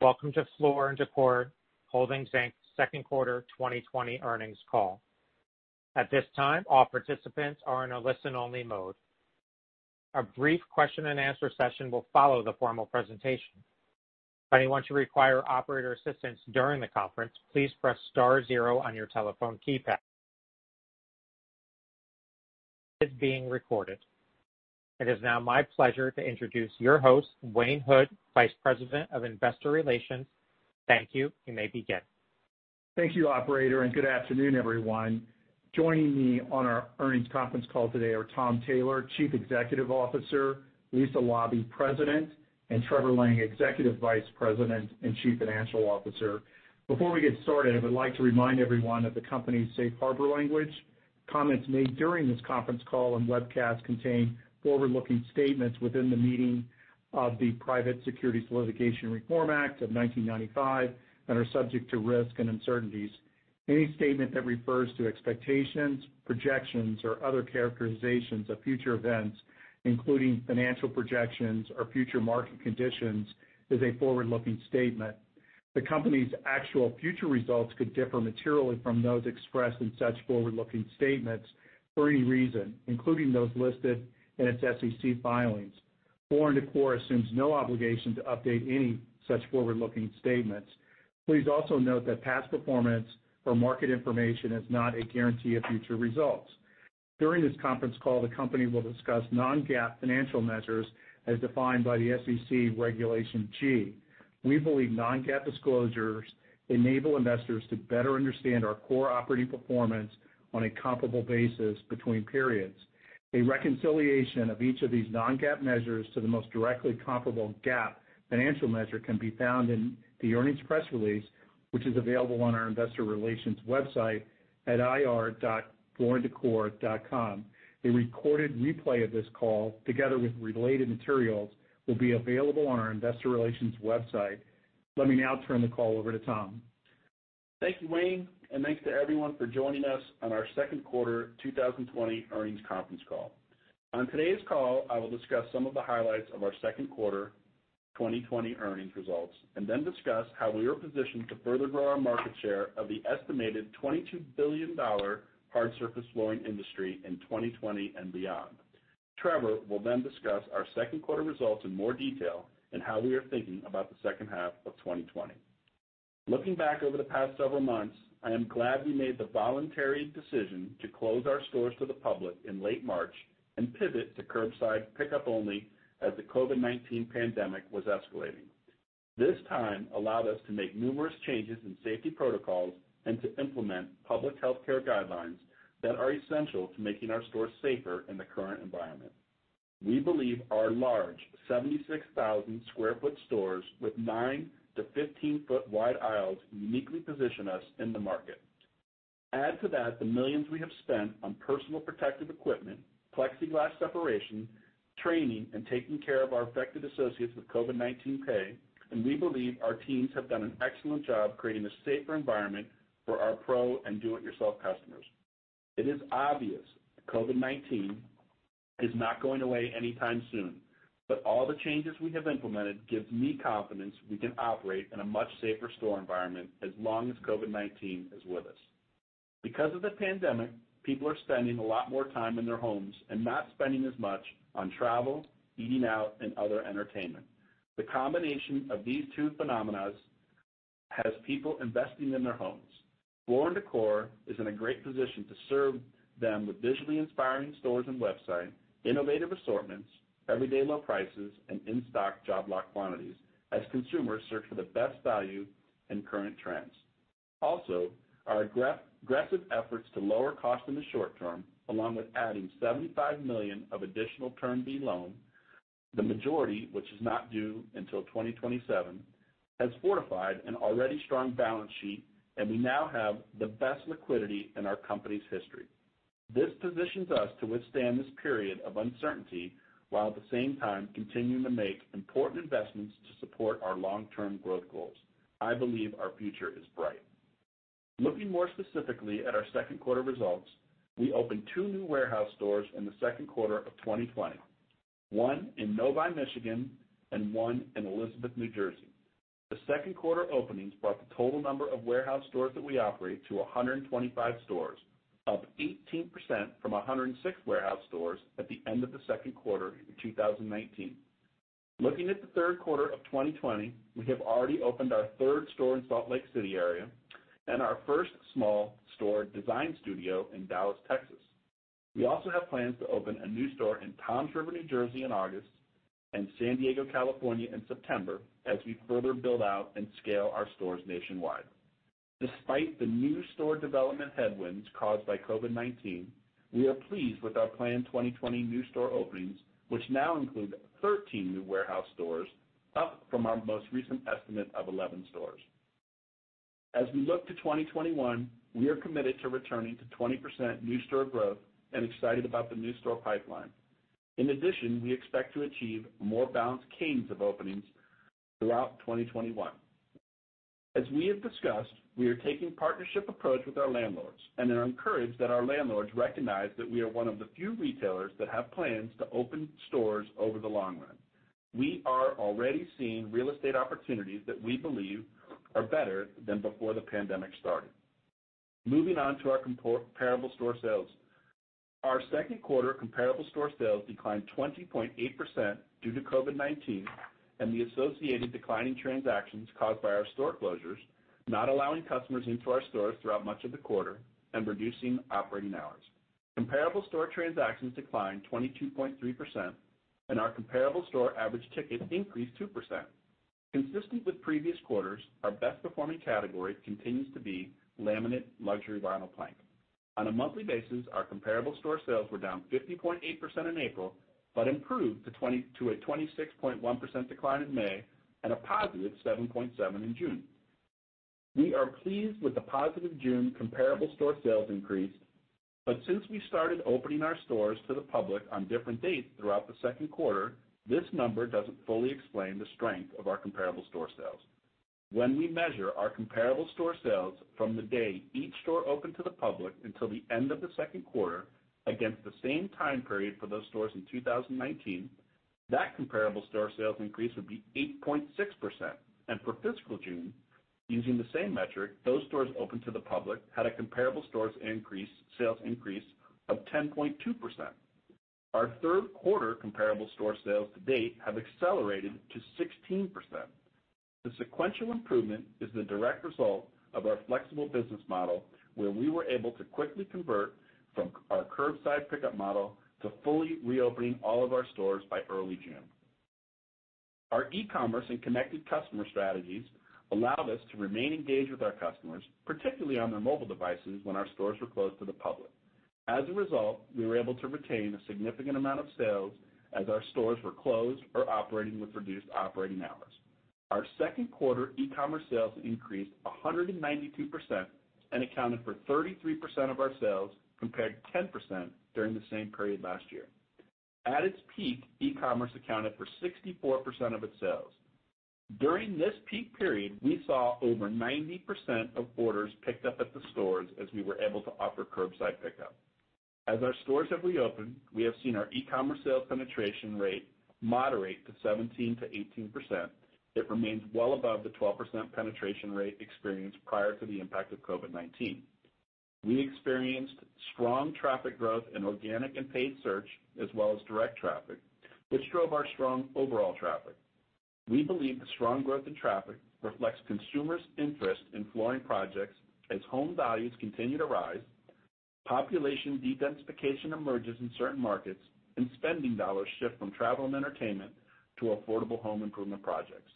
Welcome to Floor & Decor Holdings Inc.'s Second quarter 2020 Earnings Call. At this time, all participants are in a listen-only mode. A brief question-and-answer session will follow the formal presentation. If anyone should require operator assistance during the conference, please press star zero on your telephone keypad. It is now my pleasure to introduce your host, Wayne Hood, Vice President of Investor Relations. Thank you. You may begin. Thank you, operator, and good afternoon, everyone. Joining me on our earnings conference call today are Tom Taylor, Chief Executive Officer, Lisa Laube, President, and Trevor Lang, Executive Vice President and Chief Financial Officer. Before we get started, I would like to remind everyone of the company's safe harbor language. Comments made during this conference call and webcast contain forward-looking statements within the meaning of the Private Securities Litigation Reform Act of 1995, and are subject to risk and uncertainties. Any statement that refers to expectations, projections, or other characterizations of future events, including financial projections or future market conditions, is a forward-looking statement. The company's actual future results could differ materially from those expressed in such forward-looking statements for any reason, including those listed in its SEC filings. Floor & Decor assumes no obligation to update any such forward-looking statements. Please also note that past performance or market information is not a guarantee of future results. During this conference call, the company will discuss non-GAAP financial measures as defined by the SEC Regulation G. We believe non-GAAP disclosures enable investors to better understand our core operating performance on a comparable basis between periods. A reconciliation of each of these non-GAAP measures to the most directly comparable GAAP financial measure can be found in the earnings press release, which is available on our investor relations website at ir.flooranddecor.com. A recorded replay of this call, together with related materials, will be available on our investor relations website. Let me now turn the call over to Tom. Thank you, Wayne, and thanks to everyone for joining us on our second quarter 2020 earnings conference call. On today's call, I will discuss some of the highlights of our second quarter 2020 earnings results and then discuss how we are positioned to further grow our market share of the estimated $22 billion hard surface flooring industry in 2020 and beyond. Trevor will then discuss our second quarter results in more detail and how we are thinking about the second half of 2020. Looking back over the past several months, I am glad we made the voluntary decision to close our stores to the public in late March and pivot to curbside pickup only as the COVID-19 pandemic was escalating. This time allowed us to make numerous changes in safety protocols and to implement public healthcare guidelines that are essential to making our stores safer in the current environment. We believe our large 76,000sq ft stores with 9-15ft wide aisles uniquely position us in the market. Add to that the millions we have spent on personal protective equipment, plexiglass separation, training, and taking care of our affected associates with COVID-19 pay, and we believe our teams have done an excellent job creating a safer environment for our pro and do it yourself customers. It is obvious that COVID-19 is not going away anytime soon. All the changes we have implemented give me confidence we can operate in a much safer store environment as long as COVID-19 is with us. Because of the pandemic, people are spending a lot more time in their homes and not spending as much on travel, eating out, and other entertainment. The combination of these two phenomena has people investing in their homes. Floor & Decor is in a great position to serve them with visually inspiring stores and websites, innovative assortments, everyday low prices, and in-stock job lot quantities as consumers search for the best value and current trends. Also, our aggressive efforts to lower cost in the short term, along with adding $75 million of additional Term B loan, the majority of which is not due until 2025, have fortified an already strong balance sheet, and we now have the best liquidity in our company's history. This positions us to withstand this period of uncertainty while at the same time continuing to make important investments to support our long-term growth goals. I believe our future is bright. Looking more specifically at our second quarter results, we opened two new warehouse stores in the second quarter of 2020, one in Novi, Michigan, and one in Elizabeth, New Jersey. The second quarter openings brought the total number of warehouse stores that we operate to 125 stores, up 18% from 106 warehouse stores at the end of the second quarter in 2019. Looking at the third quarter of 2020, we have already opened our third store in the Salt Lake City area and our 1st small store design studio in Dallas, Texas. We also have plans to open a new store in Toms River, New Jersey, in August and San Diego, California, in September as we further build out and scale our stores nationwide. Despite the new store development headwinds caused by COVID-19, we are pleased with our planned 2020 new store openings, which now include 13 new warehouse stores, up from our most recent estimate of 11 stores. As we look to 2021, we are committed to returning to 20% new store growth and excited about the new store pipeline. In addition, we expect to achieve a more balanced cadence of openings throughout 2021. As we have discussed, we are taking a partnership approach with our landlords and are encouraged that our landlords recognize that we are one of the few retailers that have plans to open stores over the long run. We are already seeing real estate opportunities that we believe are better than before the pandemic started. Moving on to our comparable store sales. Our second quarter comparable store sales declined 20.8% due to COVID-19 and the associated declining transactions caused by our store closures, not allowing customers into our stores throughout much of the quarter and reducing operating hours. Comparable store transactions declined 22.3%, and our comparable store average ticket increased 2%. Consistent with previous quarters, our best-performing category continues to be laminate luxury vinyl plank. On a monthly basis, our comparable store sales were down 50.8% in April but improved to a 26.1% decline in May and a positive 7.7% in June. We are pleased with the positive June comparable store sales increase, but since we started opening our stores to the public on different dates throughout the second quarter, this number doesn't fully explain the strength of our comparable store sales. When we measure our comparable store sales from the day each store opened to the public until the end of the second quarter against the same time period for those stores in 2019, that comparable store sales increase would be 8.6%. For fiscal June, using the same metric, those stores open to the public had a comparable store sales increase of 10.2%. Our third quarter comparable store sales to date have accelerated to 16%. The sequential improvement is the direct result of our flexible business model, where we were able to quickly convert from our curbside pickup model to fully reopening all of our stores by early June. Our e-commerce and connected customer strategies allowed us to remain engaged with our customers, particularly on their mobile devices when our stores were closed to the public. As a result, we were able to retain a significant amount of sales as our stores were closed or operating with reduced operating hours. Our second quarter e-commerce sales increased 192% and accounted for 33% of our sales, compared to 10% during the same period last year. At its peak, e-commerce accounted for 64% of its sales. During this peak period, we saw over 90% of orders picked up at the stores, as we were able to offer curbside pickup. As our stores have reopened, we have seen our e-commerce sales penetration rate moderate to 17%-18%. It remains well above the 12% penetration rate experienced prior to the impact of COVID-19. We experienced strong traffic growth in organic and paid search, as well as direct traffic, which drove our strong overall traffic. We believe the strong growth in traffic reflects consumers' interest in flooring projects as home values continue to rise, population de-densification emerges in certain markets, and spending dollars shift from travel and entertainment to affordable home improvement projects.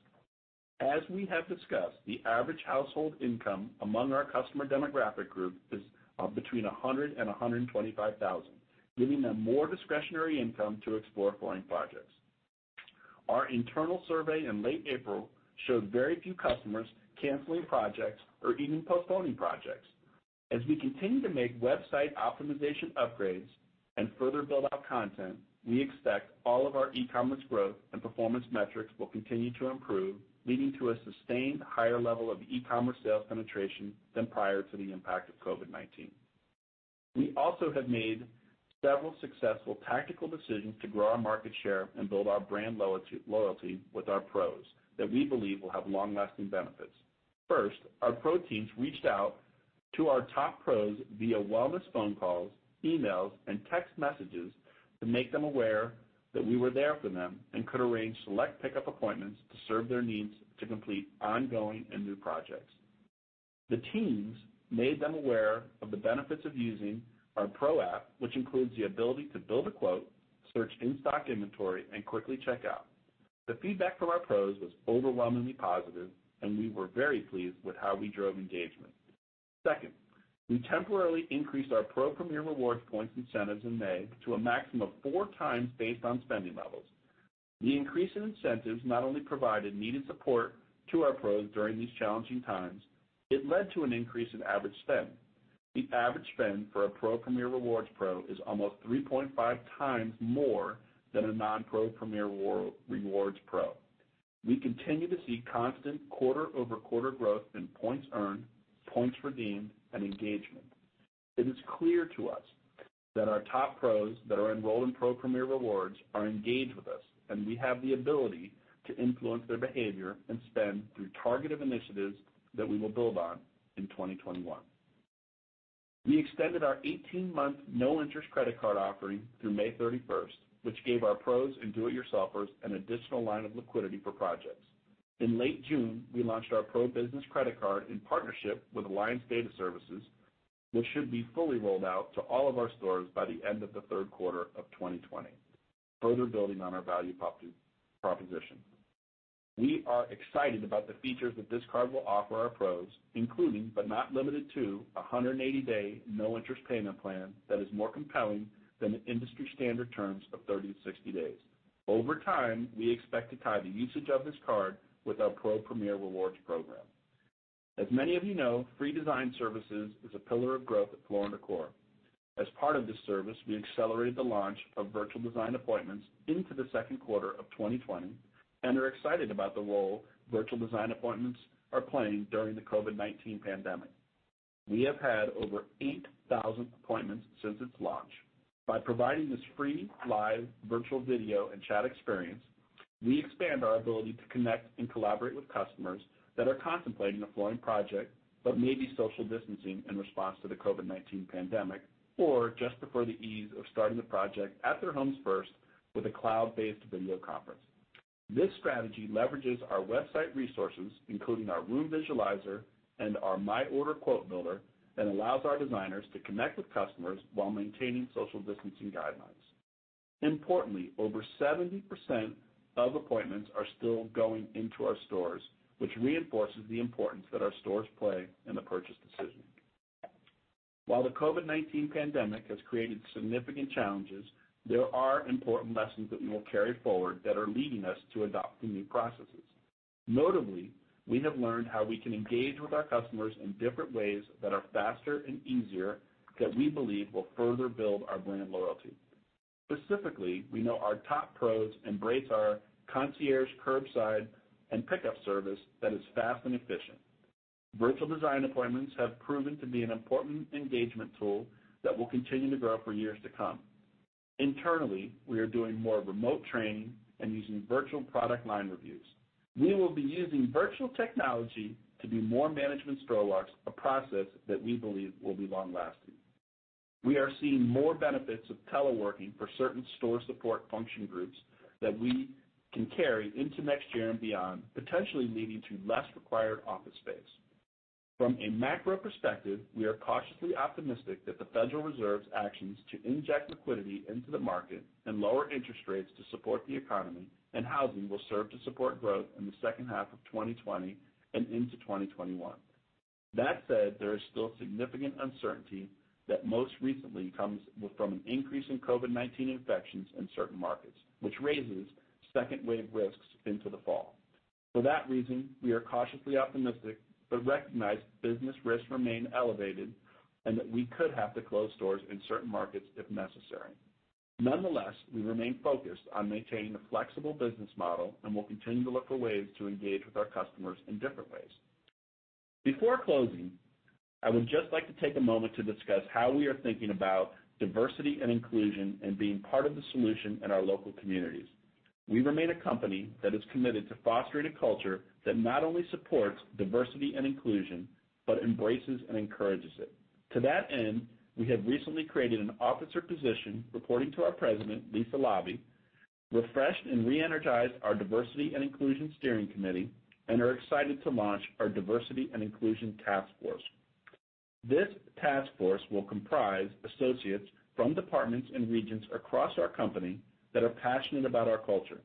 As we have discussed, the average household income among our customer demographic group is between $100,000 and $125,000, giving them more discretionary income to explore flooring projects. Our internal survey in late April showed very few customers canceling projects or even postponing projects. As we continue to make website optimization upgrades and further build out content, we expect all of our e-commerce growth and performance metrics will continue to improve, leading to a sustained higher level of e-commerce sales penetration than prior to the impact of COVID-19. We also have made several successful tactical decisions to grow our market share and build our brand loyalty with our pros that we believe will have long-lasting benefits. First, our pro teams reached out to our top pros via wellness phone calls, emails, and text messages to make them aware that we were there for them and could arrange select pickup appointments to serve their needs to complete ongoing and new projects. The teams made them aware of the benefits of using our PRO Premier App, which includes the ability to build a quote, search in-stock inventory, and quickly check out. The feedback from our pros was overwhelmingly positive, and we were very pleased with how we drove engagement. Second, we temporarily increased our Pro Premier Rewards points incentives in May to a maximum of four times based on spending levels. The increase in incentives not only provided needed support to our pros during these challenging times, but it also led to an increase in average spend. The average spend for a Pro Premier Rewards pro is almost 3.5 times more than for a non-Pro Premier Rewards pro. We continue to see constant quarter-over-quarter growth in points earned, points redeemed, and engagement. It is clear to us that our top pros that are enrolled in Pro Premier Rewards are engaged with us, and we have the ability to influence their behavior and spend through targeted initiatives that we will build on in 2021. We extended our 18-month no-interest credit card offering through May 31st, which gave our pros and do-it-yourselfers an additional line of liquidity for projects. In late June, we launched our Pro business credit card in partnership with Alliance Data Systems, which should be fully rolled out to all of our stores by the end of the third quarter of 2020, further building on our value proposition. We are excited about the features that this card will offer our pros, including but not limited to a 180-day no-interest payment plan that is more compelling than the industry standard terms of 30-60 days. Over time, we expect to tie the usage of this card to our Pro Premier Rewards program. As many of you know, free design services are a pillar of growth at Floor & Decor. As part of this service, we accelerated the launch of virtual design appointments into the second quarter of 2020, and are excited about the role virtual design appointments are playing during the COVID-19 pandemic. We have had over 8,000 appointments since its launch. By providing this free live virtual video and chat experience, we expand our ability to connect and collaborate with customers that are contemplating a flooring project but may be social distancing in response to the COVID-19 pandemic or just prefer the ease of starting the project at their homes first with a cloud-based video conference. This strategy leverages our website resources, including our Room Visualizer and our My Order quote builder, and allows our designers to connect with customers while maintaining social distancing guidelines. Importantly, over 70% of appointments are still going into our stores, which reinforces the importance that our stores play in the purchase decision. While the COVID-19 pandemic has created significant challenges, there are important lessons that we will carry forward that are leading us to adopt new processes. Notably, we have learned how we can engage with our customers in different ways that are faster and easier that we believe will further build our brand loyalty. Specifically, we know our top PROs embrace our concierge curbside and pickup service that is fast and efficient. Virtual design appointments have proven to be an important engagement tool that will continue to grow for years to come. Internally, we are doing more remote training and using virtual product line reviews. We will be using virtual technology to do more management strollabouts, a process that we believe will be long-lasting. We are seeing more benefits of teleworking for certain store support function groups that we can carry into next year and beyond, potentially leading to less required office space. From a macro perspective, we are cautiously optimistic that the Federal Reserve's actions to inject liquidity into the market and lower interest rates to support the economy and housing will serve to support growth in the second half of 2020 and into 2021. There is still significant uncertainty that most recently comes from an increase in COVID-19 infections in certain markets, which raises second-wave risks into the fall. We are cautiously optimistic but recognize business risks remain elevated and that we could have to close stores in certain markets if necessary. We remain focused on maintaining a flexible business model and will continue to look for ways to engage with our customers in different ways. Before closing, I would just like to take a moment to discuss how we are thinking about diversity and inclusion and being part of the solution in our local communities. We remain a company that is committed to fostering a culture that not only supports diversity and inclusion but also embraces and encourages it. To that end, we have recently created an officer position reporting to our president, Lisa Laube; refreshed and re-energized our Diversity and Inclusion Steering Committee; and are excited to launch our Diversity and Inclusion Task Force. This task force will comprise associates from departments and regions across our company that are passionate about our culture.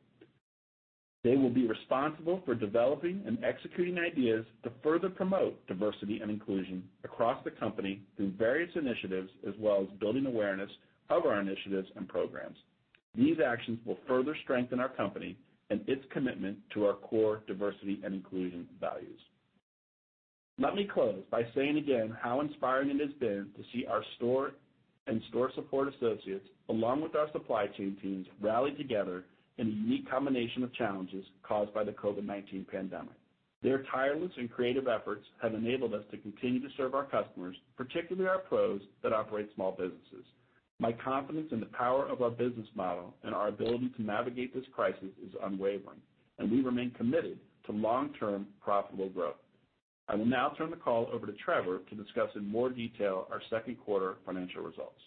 They will be responsible for developing and executing ideas to further promote diversity and inclusion across the company through various initiatives, as well as building awareness of our initiatives and programs. These actions will further strengthen our company and its commitment to our core diversity and inclusion values. Let me close by saying again how inspiring it has been to see our store and store support associates, along with our supply chain teams, rally together in a unique combination of challenges caused by the COVID-19 pandemic. Their tireless and creative efforts have enabled us to continue to serve our customers, particularly our pros that operate small businesses. My confidence in the power of our business model and our ability to navigate this crisis is unwavering, and we remain committed to long-term profitable growth. I will now turn the call over to Trevor to discuss in more detail our second quarter financial results.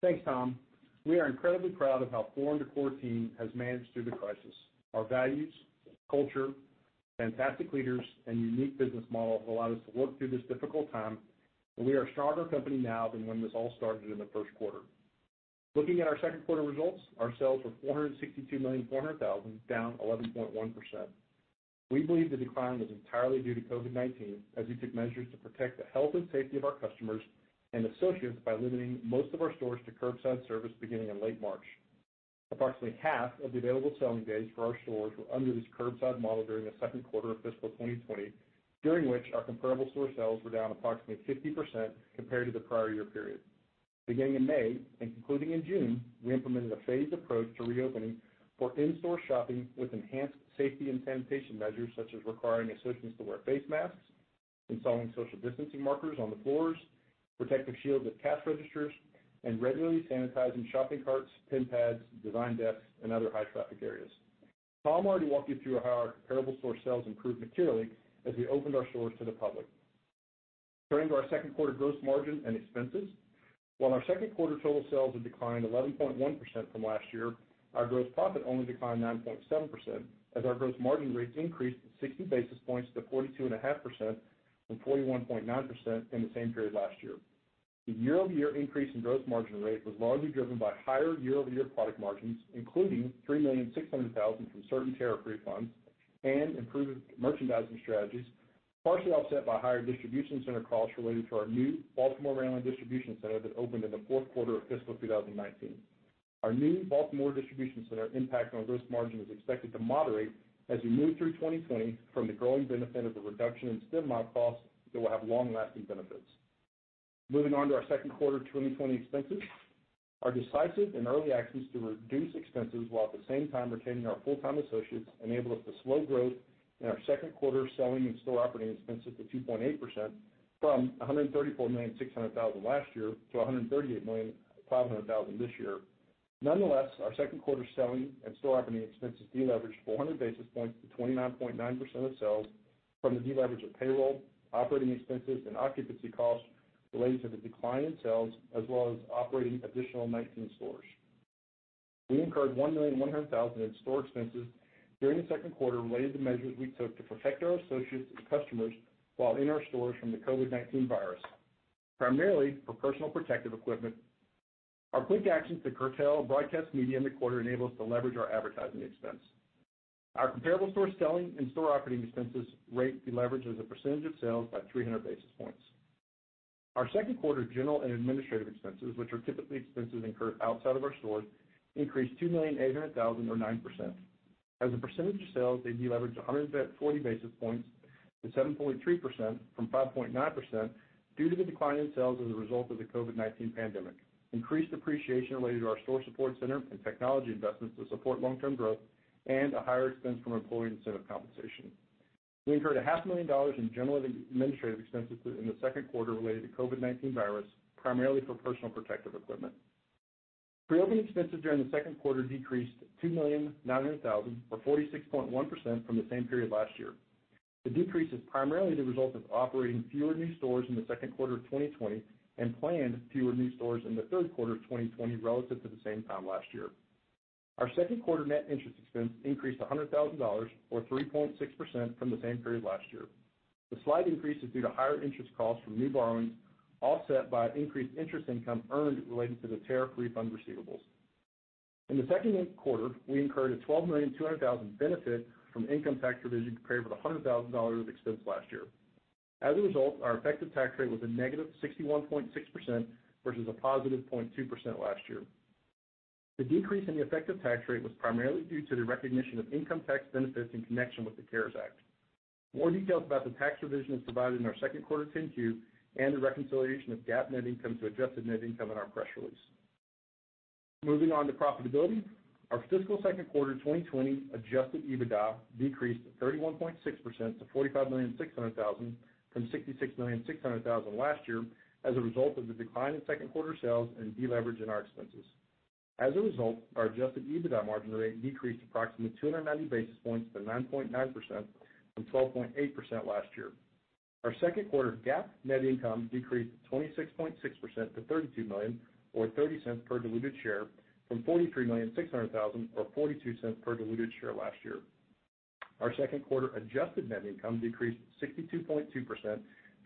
Thanks, Tom. We are incredibly proud of how the Floor & Decor team has managed through the crisis. Our values, culture, fantastic leaders, and unique business model have allowed us to work through this difficult time, and we are a stronger company now than when this all started in the first quarter. Looking at our second quarter results, our sales were $462.4 million, down 11.1%. We believe the decline was entirely due to COVID-19, as we took measures to protect the health and safety of our customers and associates by limiting most of our stores to curbside service beginning in late March. Approximately half of the available selling days for our stores were under this curbside model during the second quarter of fiscal 2020, during which our comparable store sales were down approximately 50% compared to the prior year period. Beginning in May and concluding in June, we implemented a phased approach to reopening for in-store shopping with enhanced safety and sanitation measures, such as requiring associates to wear face masks, installing social distancing markers on the floors, protective shields at cash registers, and regularly sanitizing shopping carts, PIN pads, design desks, and other high-traffic areas. Tom already walked you through how our comparable store sales improved materially as we opened our stores to the public. Turning to our second quarter gross margin and expenses. While our second quarter total sales have declined 11.1% from last year, our gross profit only declined 9.7%, as our gross margin rates increased 60 basis points to 42.5% from 41.9% in the same period last year. The year-over-year increase in gross margin rate was largely driven by higher year-over-year product margins, including $3.6 million from certain tariff refunds and improved merchandising strategies, partially offset by higher distribution center costs related to our new Baltimore, Maryland distribution center that opened in the fourth quarter of fiscal 2019. Our new Baltimore distribution center's impact on gross margin is expected to moderate as we move through 2020 from the growing benefit of the reduction in stem mile costs that will have long-lasting benefits. Moving on to our second quarter 2020 expenses. Our decisive and early actions to reduce expenses while at the same time retaining our full-time associates enabled us to slow growth in our second quarter selling and store operating expenses to 2.8% from $134.6 million last year to $138.5 million this year. Nonetheless, our second quarter selling and store operating expenses deleveraged 400 basis points to 29.9% of sales from the deleveraging of payroll, operating expenses, and occupancy costs related to the decline in sales as well as operating an additional 19 stores. We incurred $1.1 million in store expenses during the second quarter related to measures we took to protect our associates and customers while in our stores from the COVID-19 virus, primarily for personal protective equipment. Our quick actions to curtail broadcast media in the quarter enabled us to leverage our advertising expense. Our comparable store selling and store operating expense rates deleveraged as a percentage of sales by 300 basis points. Our second quarter general and administrative expenses, which are typically expenses incurred outside of our stores, increased $2.8 million or 9%. As a percentage of sales, they deleveraged 140 basis points to 7.3% from 5.9% due to the decline in sales as a result of the COVID-19 pandemic; increased depreciation related to our store support center and technology investments to support long-term growth; and a higher expense from employee incentive compensation. We incurred half a million dollars in general administrative expenses in the second quarter related to COVID-19, primarily for personal protective equipment. Pre-opening expenses during the second quarter decreased $2.9 million or 46.1% from the same period last year. The decrease is primarily the result of operating fewer new stores in the second quarter of 2020 and planning fewer new stores in the third quarter of 2020 relative to the same time last year. Our second quarter net interest expense increased $100,000 or 3.6% from the same period last year. The slight increase is due to higher interest costs from new borrowings, offset by increased interest income earned related to the tariff refund receivables. In the second quarter, we incurred a $12.2 million benefit from income tax provision compared with $100,000 in expenses last year. As a result, our effective tax rate was a negative 61.6% versus a positive 0.2% last year. The decrease in the effective tax rate was primarily due to the recognition of income tax benefits in connection with the CARES Act. More details about the tax revision are provided in our second quarter 10-Q and the reconciliation of GAAP net income to adjusted net income in our press release. Moving on to profitability. Our fiscal second quarter 2020 adjusted EBITDA decreased 31.6% to $45.6 million from $66.6 million last year as a result of the decline in second quarter sales and deleverage in our expenses. As a result, our adjusted EBITDA margin rate decreased approximately 290 basis points to 9.9% from 12.8% last year. Our second quarter GAAP net income decreased 26.6% to $32 million or $0.30 per diluted share from $43.6 million or $0.42 per diluted share last year. Our second quarter adjusted net income decreased 62.2% to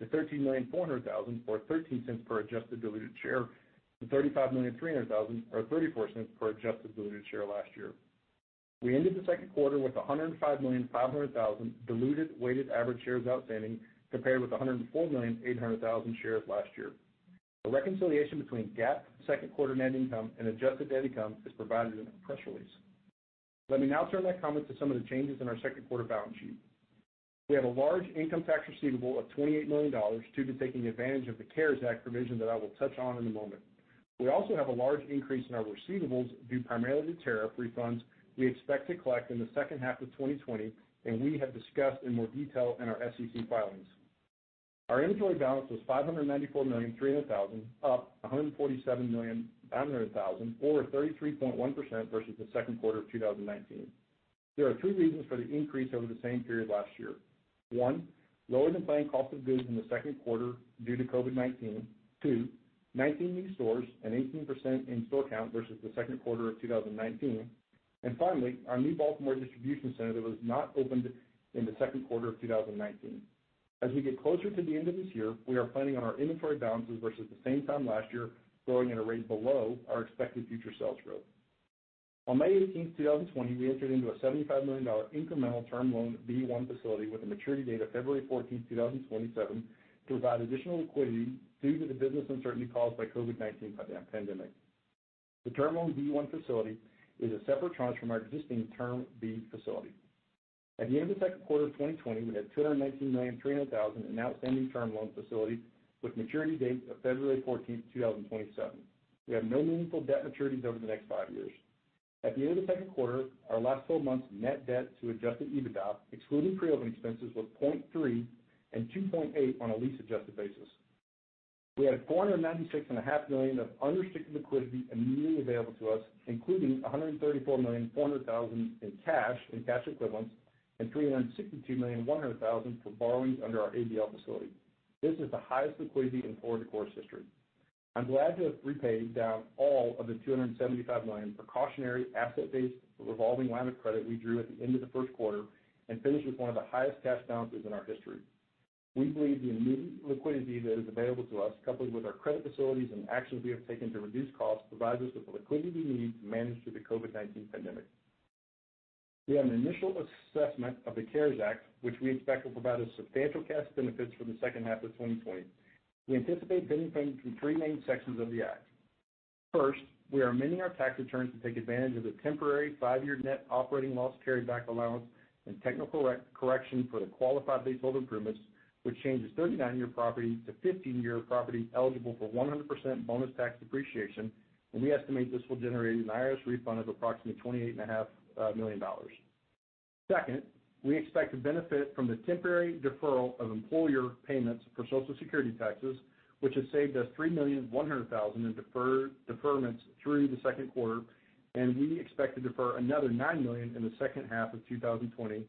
$13.4 million, or $0.13 per adjusted diluted share, from $35.3 million, or $0.34 per adjusted diluted share, last year. We ended the second quarter with 105.5 million diluted weighted average shares outstanding compared with 104.8 million shares last year. A reconciliation between GAAP second quarter net income and adjusted net income is provided in our press release. Let me now turn my comments to some of the changes in our second quarter balance sheet. We have a large income tax receivable of $28 million due to taking advantage of the CARES Act provision that I will touch on in a moment. We also have a large increase in our receivables due primarily to tariff refunds we expect to collect in the second half of 2020, which we have discussed in more detail in our SEC filings. Our inventory balance was $594.3 million, up $147.7 million or 33.1% versus the second quarter of 2019. There are three reasons for the increase over the same period last year. one. Lower-than-planned cost of goods in the second quarter due to COVID-19. 2. 19 new stores, an 18% increase in store count versus the second quarter of 2019. Finally, our new Baltimore distribution center was not opened in the second quarter of 2019. As we get closer to the end of this year, we are planning on our inventory balances versus the same time last year, growing at a rate below our expected future sales growth. On May 18, 2020, we entered into a $75 million incremental Term Loan B-1 facility with a maturity date of February 14, 2027 to provide additional liquidity due to the business uncertainty caused by the COVID-19 pandemic. The Term Loan B-1 facility is a separate tranche from our existing Term B facility. At the end of the second quarter of 2020, we had $219.3 million in an outstanding term loan facility with a maturity date of February 14, 2027. We have no meaningful debt maturities over the next five years. At the end of the second quarter, our last 12 month's net debt to adjusted EBITDA, excluding pre-opening expenses, was 0.3 and 2.8 on a lease-adjusted basis. We had $496.5 million of unrestricted liquidity immediately available to us, including $134.4 million in cash and cash equivalents and $362.1 million for borrowings under our ABL facility. This is the highest liquidity in Floor & Decor's history. I'm glad to have paid down all of the $275 million precautionary asset-based revolving line of credit we drew at the end of the first quarter and finished with one of the highest cash balances in our history. We believe the immediate liquidity that is available to us, coupled with our credit facilities and actions we have taken to reduce costs, provides us with the liquidity we need to manage through the COVID-19 pandemic. We have an initial assessment of the CARES Act, which we expect will provide us substantial cash benefits for the second half of 2020. We anticipate benefiting from three main sections of the act. First, we are amending our tax returns to take advantage of the temporary five-year net operating loss carryback allowance and technical re-correction for the qualified base building permits, which changes a 39-year property to a 15-year property eligible for 100% bonus tax depreciation. We estimate this will generate an IRS refund of approximately $28.5 million. Second, we expect to benefit from the temporary deferral of employer payments for Social Security taxes, which has saved us $3.1 million in deferments through the second quarter, and we expect to defer another $9 million in the second half of 2020.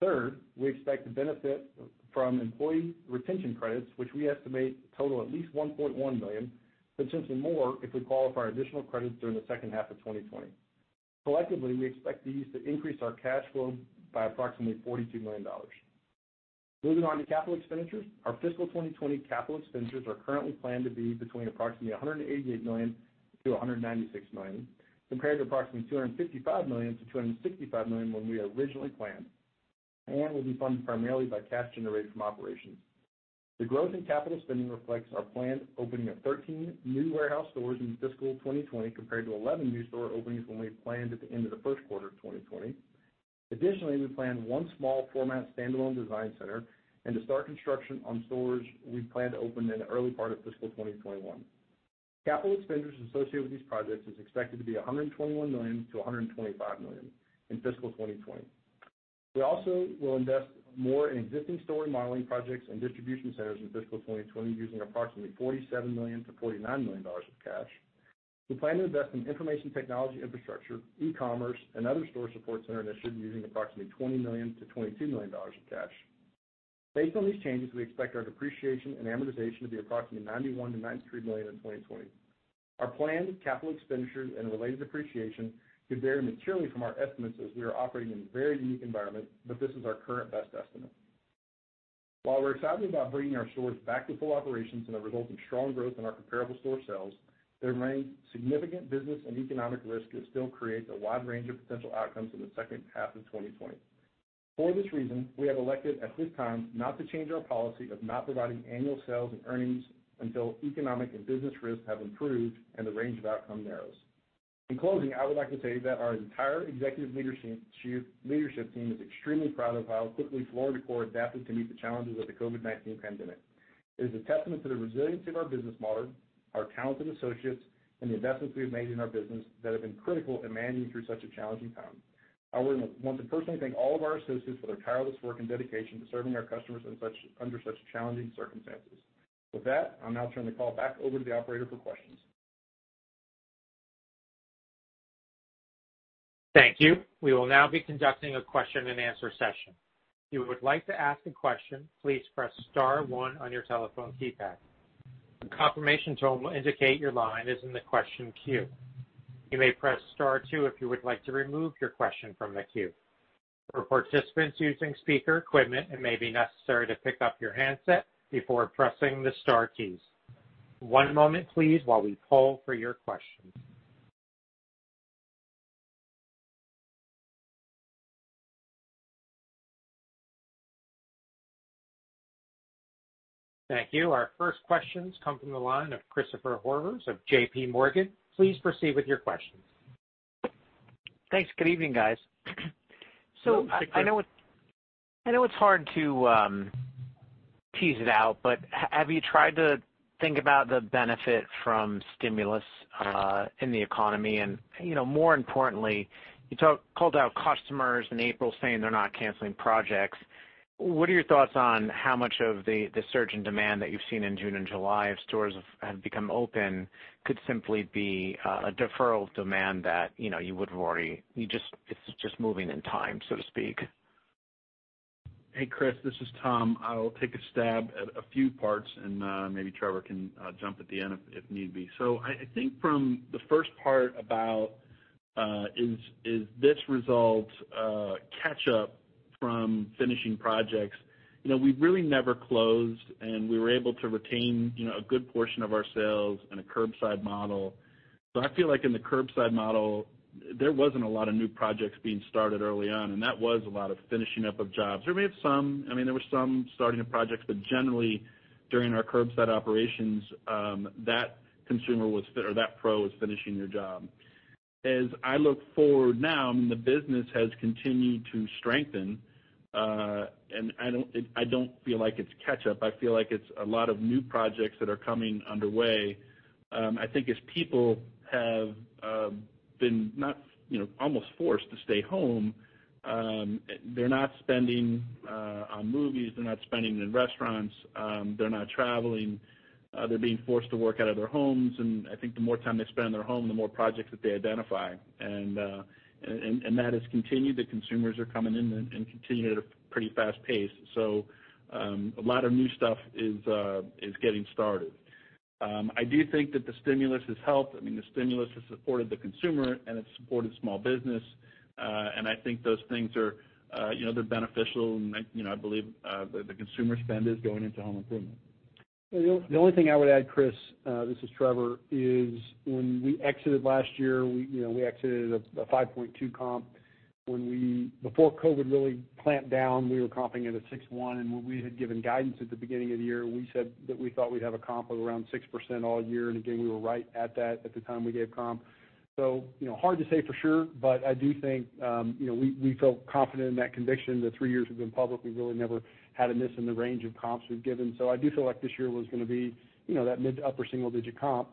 Third, we expect to benefit from employee retention credits, which we estimate total at least $1.1 million, potentially more if we qualify for additional credits during the second half of 2020. Collectively, we expect these to increase our cash flow by approximately $42 million. Moving on to capital expenditures. Our fiscal 2020 capital expenditures are currently planned to be between approximately $188 million and $196 million, compared to approximately $255 million-$265 million when we originally planned, and will be funded primarily by cash generated from operations. The growth in capital spending reflects our planned opening of 13 new warehouse stores in fiscal 2020 compared to 11 new store openings when we had planned at the end of the first quarter of 2020. Additionally, we plan one small-format standalone design studio and to start construction on stores we plan to open in the early part of fiscal 2021. Capital expenditures associated with these projects are expected to be $121 million-$125 million in fiscal 2020. We also will invest more in existing store remodeling projects and distribution centers in fiscal 2020 using approximately $47 million-$49 million of cash. We plan to invest in information technology infrastructure, e-commerce, and other store support center initiatives using approximately $20 million-$22 million of cash. Based on these changes, we expect our depreciation and amortization to be approximately $91 million-$93 million in 2020. Our planned capital expenditures and related depreciation could vary materially from our estimates as we are operating in a very unique environment, but this is our current best estimate. While we're excited about bringing our stores back to full operations and the resulting strong growth in our comparable store sales, there remain significant business and economic risks that still create a wide range of potential outcomes in the second half of 2020. For this reason, we have elected at this time not to change our policy of not providing annual sales and earnings until economic and business risks have improved and the range of outcomes narrows. In closing, I would like to say that our entire executive leadership team is extremely proud of how quickly Floor & Decor adapted to meet the challenges of the COVID-19 pandemic. It is a testament to the resiliency of our business model, our talented associates, and the investments we have made in our business that have been critical in managing through such a challenging time. I want to personally thank all of our associates for their tireless work and dedication to serving our customers under such challenging circumstances. With that, I'll now turn the call back over to the operator for questions. Thank you. We will now be conducting a question and answer session. If you would like to ask a question, please press star one on your telephone keypad. A confirmation tone will indicate your line is in the question queue. You may press Star two if you would like to remove your question from the queue. For participants using speaker equipment, it may be necessary to pick up your handset before pressing the star keys. One moment, please, while we poll for your questions. Thank you. Our first questions come from the line of Christopher Horvers of J.P. Morgan. Please proceed with your questions. Thanks. Good evening, guys. Good evening. I know it's hard to tease it out, but have you tried to think about the benefit from stimulus in the economy? You know, more importantly, you called out customers in April saying they're not canceling projects. What are your thoughts on how much of the surge in demand that you've seen in June and July as stores have become open could simply be a deferral of demand that, you know, you would've already had; it's just moving in time, so to speak. Hey, Chris, this is Tom. I'll take a stab at a few parts, and maybe Trevor can jump in at the end if need be. I think from the first part about whether this result is catching up from finishing projects, you know, we really never closed, and we were able to retain, you know, a good portion of our sales in a curbside model. I feel like in the curbside model, there weren't a lot of new projects being started early on, and there was a lot of finishing up of jobs. There were some starting of projects, but generally during our curbside operations, that consumer or pro was finishing their jobs. As I look forward now, I mean, the business has continued to strengthen; I don't feel like it's caught up. I feel like there are a lot of new projects that are coming underway. I think as people have not, you know, almost been forced to stay home, they're not spending on movies, they're not spending in restaurants, and they're not traveling. They're being forced to work out of their homes. I think the more time they spend in their home, the more projects that they identify. That has continued. The consumers are coming in and continuing at a pretty fast pace. A lot of new stuff is getting started. I do think that the stimulus has helped. I mean, the stimulus has supported the consumer, and it's supported small businesses. I think those things are, you know, beneficial, and, you know, I believe the consumer spend is going into home improvement. The only thing I would add, Chris, this is Trevor, is when we exited last year, we exited a 5.2% comp. Before COVID really clamped down, we were comping it at 6.1%. When we had given guidance at the beginning of the year, we said that we thought we'd have a comp of around 6% all year. Again, we were right about that at the time we gave the comp. You know, it's hard to say for sure, but I do think, you know, we felt confident in that conviction. The three years we've been public, we've really never had a miss in the range of comps we've given. I do feel like this year was going to be that mid- to upper single-digit comp.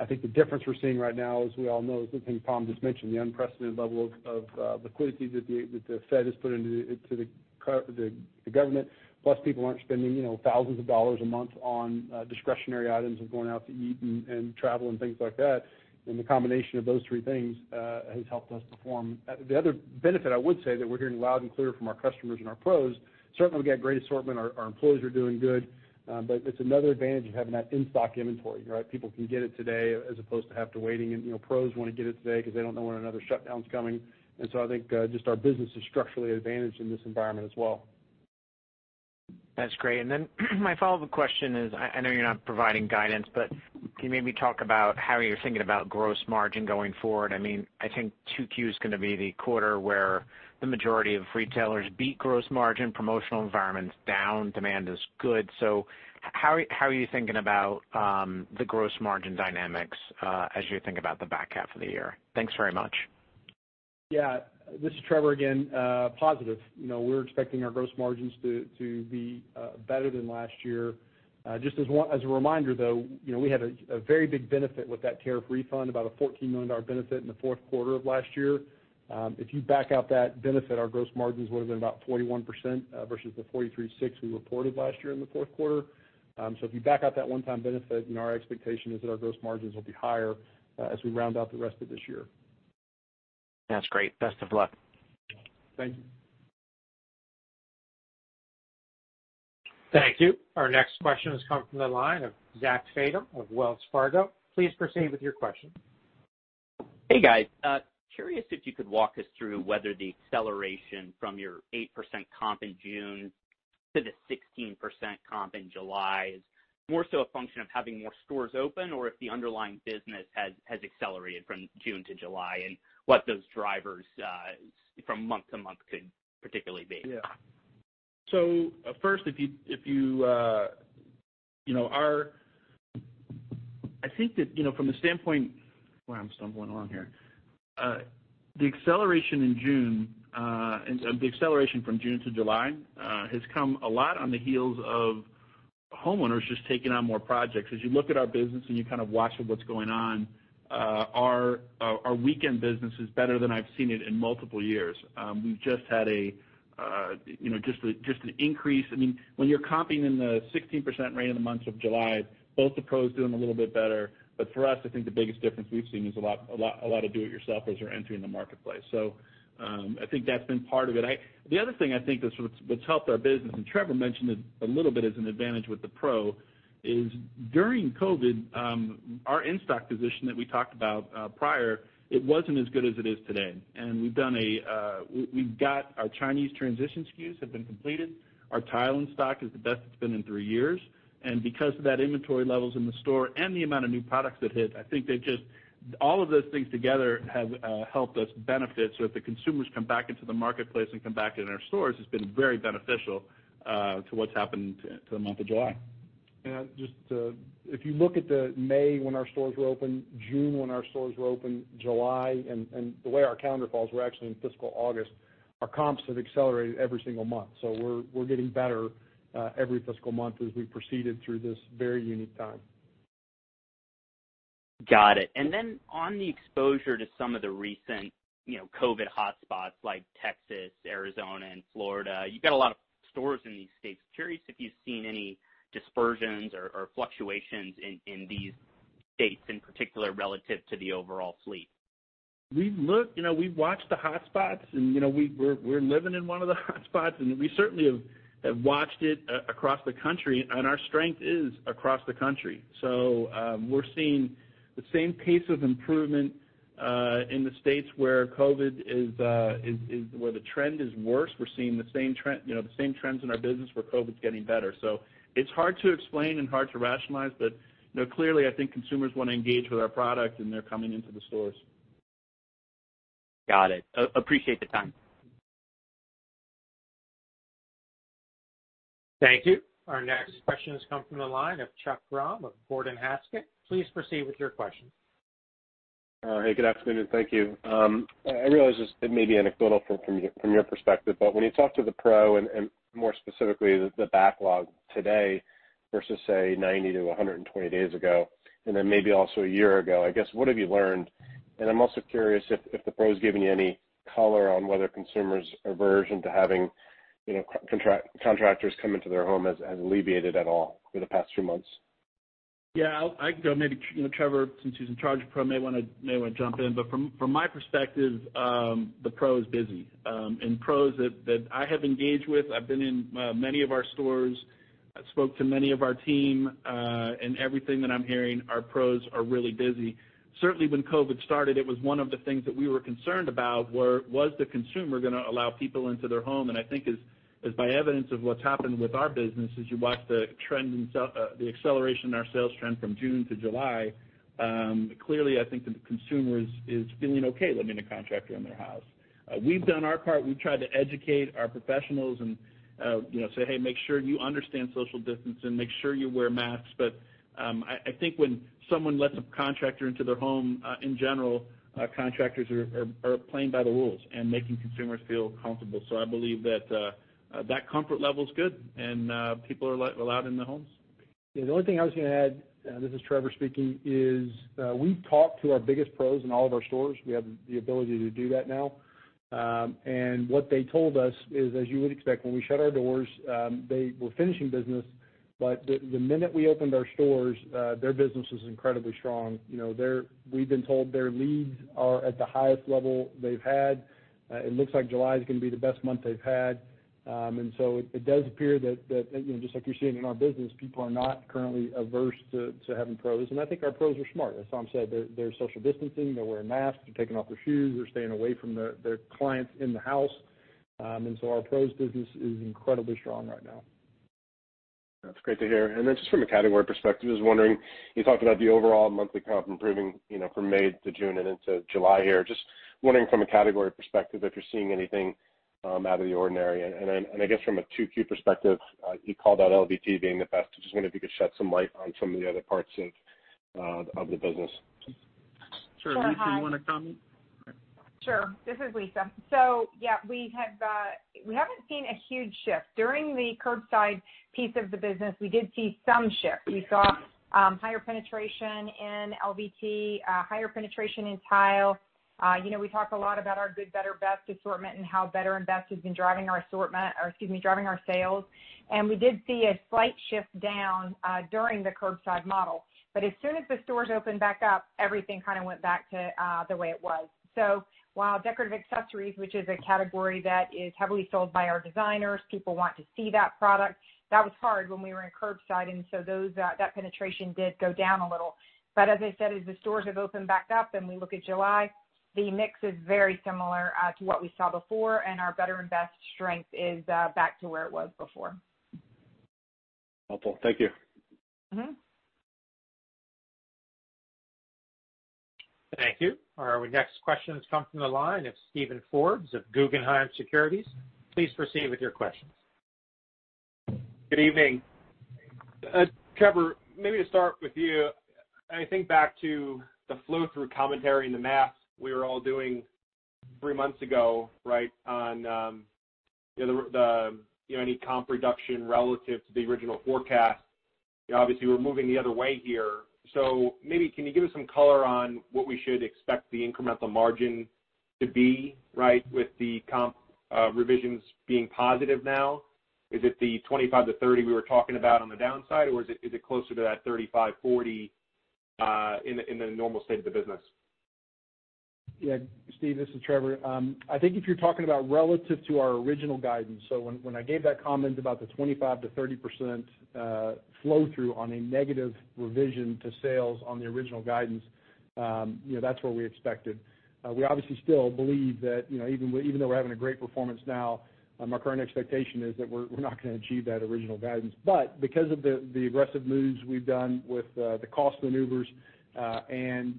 I think the difference we're seeing right now, as we all know, is the thing Tom just mentioned, the unprecedented level of liquidity that the Fed has put into the government, plus people aren't spending thousands of dollars a month on discretionary items like going out to eat and traveling and things like that. The combination of those three things has helped us perform. The other benefit I would say that we're hearing loud and clear from our customers and our pros is that, certainly, we've got a great assortment and our employees are doing good, but it's another advantage of having that in-stock inventory, right? People can get it today as opposed to having to wait, and, you know, pros want to get it today because they don't know when another shutdown's coming. I think just our business is structurally advantaged in this environment as well. That's great. My follow-up question is, I know you're not providing guidance, but can you maybe talk about how you're thinking about gross margin going forward? I mean, I think 2Q is going to be the quarter where the majority of retailers beat gross margin, the promotional environment's down, and demand is good. How are you thinking about the gross margin dynamics as you think about the back half of the year? Thanks very much. This is Trevor again. Positive. You know, we're expecting our gross margins to be better than last year. Just as a reminder, though, you know, we had a very big benefit with that tariff refund, about a $14 million benefit in the fourth quarter of last year. If you back out that benefit, our gross margins would've been about 41%, versus the 43.6% we reported last year in the fourth quarter. If you back out that one-time benefit, you know, our expectation is that our gross margins will be higher as we round out the rest of this year. That's great. Best of luck. Thank you. Thank you. Our next question has come from the line of Zachary Fadem of Wells Fargo. Please proceed with your question. Hey, guys. Curious if you could walk us through whether the acceleration from your 8% comp in June to the 16% comp in July is more so a function of having more stores open or if the underlying business has accelerated from June to July and what those drivers from month to month could particularly be. Yeah. First, if you know, I think that, you know, from the standpoint Wow, I'm stumbling along here. The acceleration in June, and the acceleration from June to July, has come a lot on the heels of homeowners just taking on more projects. As you look at our business and you kind of watch what's going on, our weekend business is better than I've seen it in multiple years. We've just had, you know, just an increase. I mean, when you're comparing in the 16% range in the month of July, both the pros are doing a little bit better, but for us, I think the biggest difference we've seen is a lot of do-it-yourselfers are entering the marketplace. I think that's been part of it. The other thing I think that's helped our business, which Trevor mentioned a little bit as an advantage with the pro, is that during COVID, our in-stock position that we talked about prior wasn't as good as it is today. We've done it; we've got our Chinese transition SKUs completed. Our tile in stock is the best it's been in three years. Because of that, inventory levels in the store and the amount of new products that hit, All of those things together have helped us benefit. As the consumers come back into the marketplace and come back into our stores, it's been very beneficial to what's happened to the month of July. If you look at May when our stores were open, July, and the way our calendar falls, we're actually in fiscal August; our comps have accelerated every single month. We're getting better every fiscal month as we proceed through this very unique time. Got it. Then, on the exposure to some of the recent, you know, COVID hotspots like Texas, Arizona, and Florida, you've got a lot of stores in these states. Curious if you've seen any dispersions or fluctuations in these states in particular relative to the overall fleet. We've looked, you know, we've watched the hotspots and, you know, we're living in one of the hotspots, and we certainly have watched it across the country, and our strength is across the country. We're seeing the same pace of improvement in the states where COVID is and where the trend is worse. We're seeing the same trend, you know, the same trends in our business where COVID's getting better. It's hard to explain and hard to rationalize, but, you know, clearly, I think consumers want to engage with our product, and they're coming into the stores. Got it. Appreciate the time. Thank you. Our next question has come from the line of Chuck Grom of Gordon Haskett. Please proceed with your question. Good afternoon. Thank you. I realize this may be anecdotal from your perspective, but when you talk to the pro and, more specifically, the backlog today versus, say, 90 to 120 days ago and then maybe also a year ago, what have you learned? I'm also curious if the pros are giving you any color on whether consumers' aversion to having, you know, contractors come into their home has alleviated at all for the past few months. Yeah. I can go. Maybe you know, Trevor, since he's in charge of pro, may want to jump in. But from my perspective, the pro is busy. pros that I have engaged with, I've been in many of our stores, and I spoke to many of our teams. Everything that I'm hearing, our pros are really busy. Certainly, when COVID started, it was one of the things that we were concerned about, where was the consumer going to allow people into their home? I think by evidence of what's happened with our business, as you watch the trend in the acceleration in our sales trend from June to July, clearly I think the consumer is feeling okay letting a contractor in their house. We've done our part. We've tried to educate our professionals and, you know, say, Hey, make sure you understand social distancing. Make sure you wear masks. I think when someone lets a contractor into their home, in general, contractors are playing by the rules and making consumers feel comfortable. I believe that comfort level is good, and people are allowed in the homes. Yeah, the only thing I was going to add, this is Trevor speaking, is we've talked to our biggest pros in all of our stores. We have the ability to do that now. What they told us is, as you would expect, when we shut our doors, they were finishing business. The minute we opened our stores, their business was incredibly strong. You know, we've been told their leads are at the highest level they've had. It looks like July is going to be the best month they've had. It does appear that, you know, just like you're seeing in our business, people are not currently averse to having pros. I think our pros are smart. As Tom Taylor said, they're social distancing. They're wearing masks. They're taking off their shoes. They're staying away from the clients in the house. Our pros' business is incredibly strong right now. That's great to hear. Just from a category perspective, I was wondering; you talked about the overall monthly comp improving, you know, from May to June and into July here. Just wondering from a category perspective if you're seeing anything out of the ordinary. I guess from a Q2 perspective, you called out LVT being the best. I just wondered if you could shed some light on some of the other parts of the business. Sure. Lisa, do you want to comment? Sure, hi. Sure. This is Lisa. Yeah, we have; we haven't seen a huge shift. During the curbside piece of the business, we did see some shift. We saw higher penetration in LVT, higher penetration in tile. You know, we talk a lot about our good, better, and best assortment and how better and best have been driving our assortment or, excuse me, driving our sales. We did see a slight shift down during the curbside model. As soon as the stores opened back up, everything kind of went back to the way it was. While decorative accessories are a category that is heavily sold by our designers, people want to see that product, that was hard when we were in curbside, penetration did go down a little. As I said, as the stores have opened back up and we look at July, the mix is very similar to what we saw before, and our better and best strengths are back to where they were before. helpful. Thank you. Thank you. Our next question has come from the line of Steven Forbes of Guggenheim Securities. Please proceed with your questions. Good evening. Trevor, maybe to start with you, I think back to the flow-through commentary and the math we were all doing three months ago, right, on, you know, any comp reduction relative to the original forecast. Obviously, we're moving the other way here. Maybe can you give us some color on what we should expect the incremental margin to be, right, with the comp revisions being positive now? Is it the 25%-30% we were talking about on the downside, or is it closer to that 35%-40% in the normal state of the business? Yeah, Steven, this is Trevor. I think if you're talking about it relative to our original guidance, so when I gave that comment about the 25%-30% flow through on a negative revision to sales on the original guidance, you know, that's what we expected. We obviously still believe that, you know, even though we're having a great performance now, our current expectation is that we're not going to achieve that original guidance. Because of the aggressive moves we've done with the cost maneuvers and,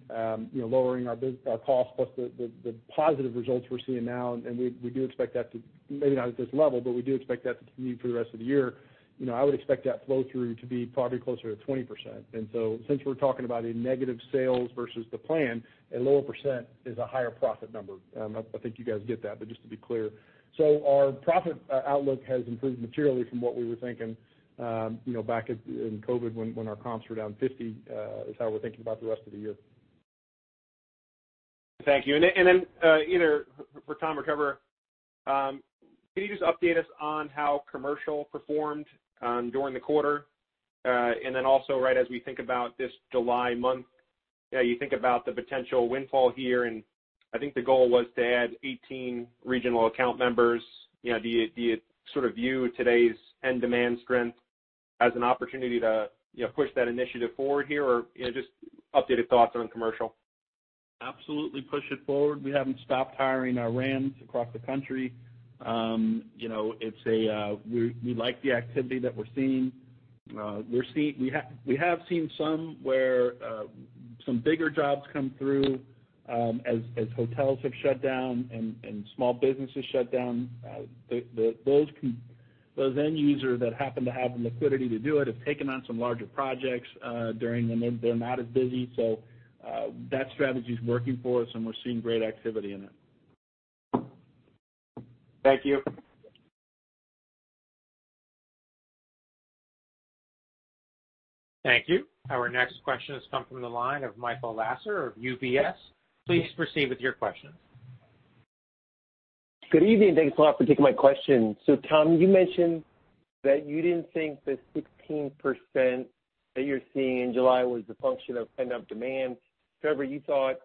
you know, lowering our costs, plus the positive results we're seeing now, we do expect that to continue for the rest of the year, maybe not at this level, but we do expect that to continue. You know, I would expect that flow through to be probably closer to 20%. Since we're talking about negative sales versus the plan, a lower percent is a higher profit number. I think you guys get that, but just to be clear. Our profit outlook has improved materially from what we were thinking, you know, back in COVID-19 when our comps were down 50%. That's how we're thinking about the rest of the year. Thank you. Then, either for Tom Taylor or Trevor Lang, can you just update us on how the commercial performed during the quarter? As we think about this July month, you think about the potential windfall here, and I think the goal was to add 18 Regional Account Managers. Do you sort of view today's end-demand strength as an opportunity to push that initiative forward here? Or just updated thoughts on the commercial. Absolutely push it forward. We haven't stopped hiring our RAMs across the country. You know, it's a, we like the activity that we're seeing. We have seen some bigger jobs come through as hotels have shut down and small businesses have shut down. The those end users that happen to have the liquidity to do it have taken on some larger projects during times when they're not as busy. That strategy's working for us, and we're seeing great activity in it. Thank you. Thank you. Our next question has come from the line of Michael Lasser of UBS. Please proceed with your question. Good evening, and thanks a lot for taking my question. Tom, you mentioned that you didn't think the 16% that you're seeing in July was a function of pent-up demand. Trevor, you thought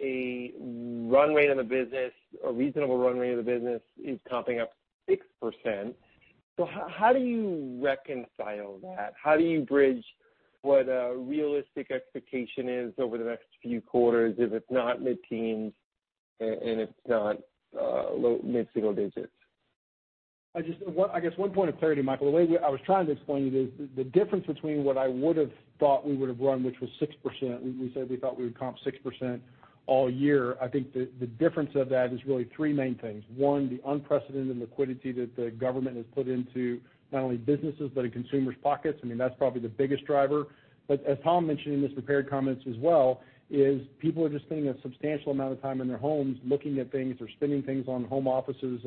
a run rate in the business, a reasonable run rate of the business, was coming up 6%. How do you reconcile that? How do you bridge what a realistic expectation is over the next few quarters if it's not mid-teens and it's not mid-single digits? I just, I guess, need one point of clarity, Michael. The way I was trying to explain it is the difference between what I would've thought we would've run, which was 6%; we said we thought we would comp 6% all year. I think the difference of that is really three main things. First, the unprecedented liquidity that the government has put into not only businesses but also consumers' pockets. I mean, that's probably the biggest driver. As Tom mentioned in his prepared comments as well, people are just spending a substantial amount of time in their homes looking at things or spending things on home offices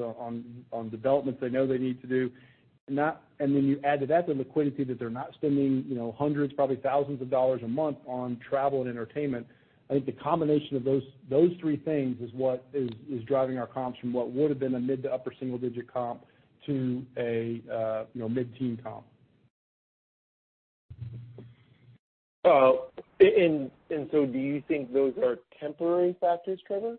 and developments they know they need to do. That and when you add to that the liquidity that they're not spending, you know, hundreds, probably thousands of dollars a month on travel and entertainment, I think the combination of those three things is what is driving our comps from what would've been a mid- to upper single-digit comp to a, you know, mid-teen comp. Do you think those are temporary factors, Trevor?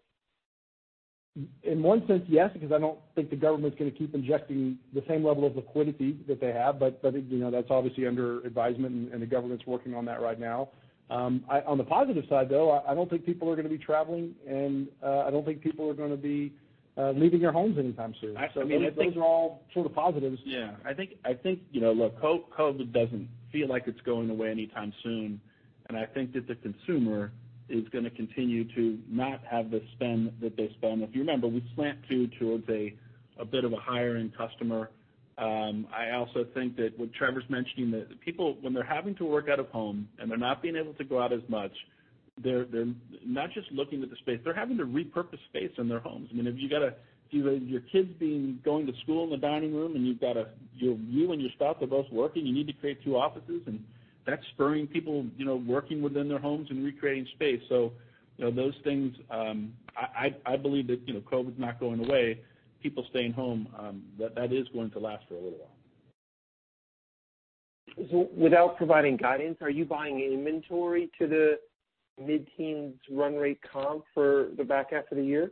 In one sense, yes, because I don't think the government's going to keep injecting the same level of liquidity that they have. You know, that's obviously under advisement, and the government's working on that right now. On the positive side, though, I don't think people are going to be traveling, and I don't think people are going to be leaving their homes anytime soon. Absolutely. Those are all sort of positives. Yeah. I think, you know, look, COVID doesn't feel like it's going away anytime soon, and I think that the consumer is going to continue to not have the spending that they spend. If you remember, we slant to a bit of a higher-end customer. I also think that what Trevor's mentioning, that people, when they're having to work out of home and they're not being able to go out as much, are not just looking at the space but are having to repurpose space in their homes. I mean, if you've got to do your kids going to school in the dining room and you've got to, and you and your spouse are both working, you need to create two offices, and that's spurring people, you know, working within their homes and recreating space. You know, those things—I believe that, you know, COVID's not going away; people staying home—that is going to last for a little while. Without providing guidance, are you buying inventory for the mid-teens run rate comp for the back half of the year?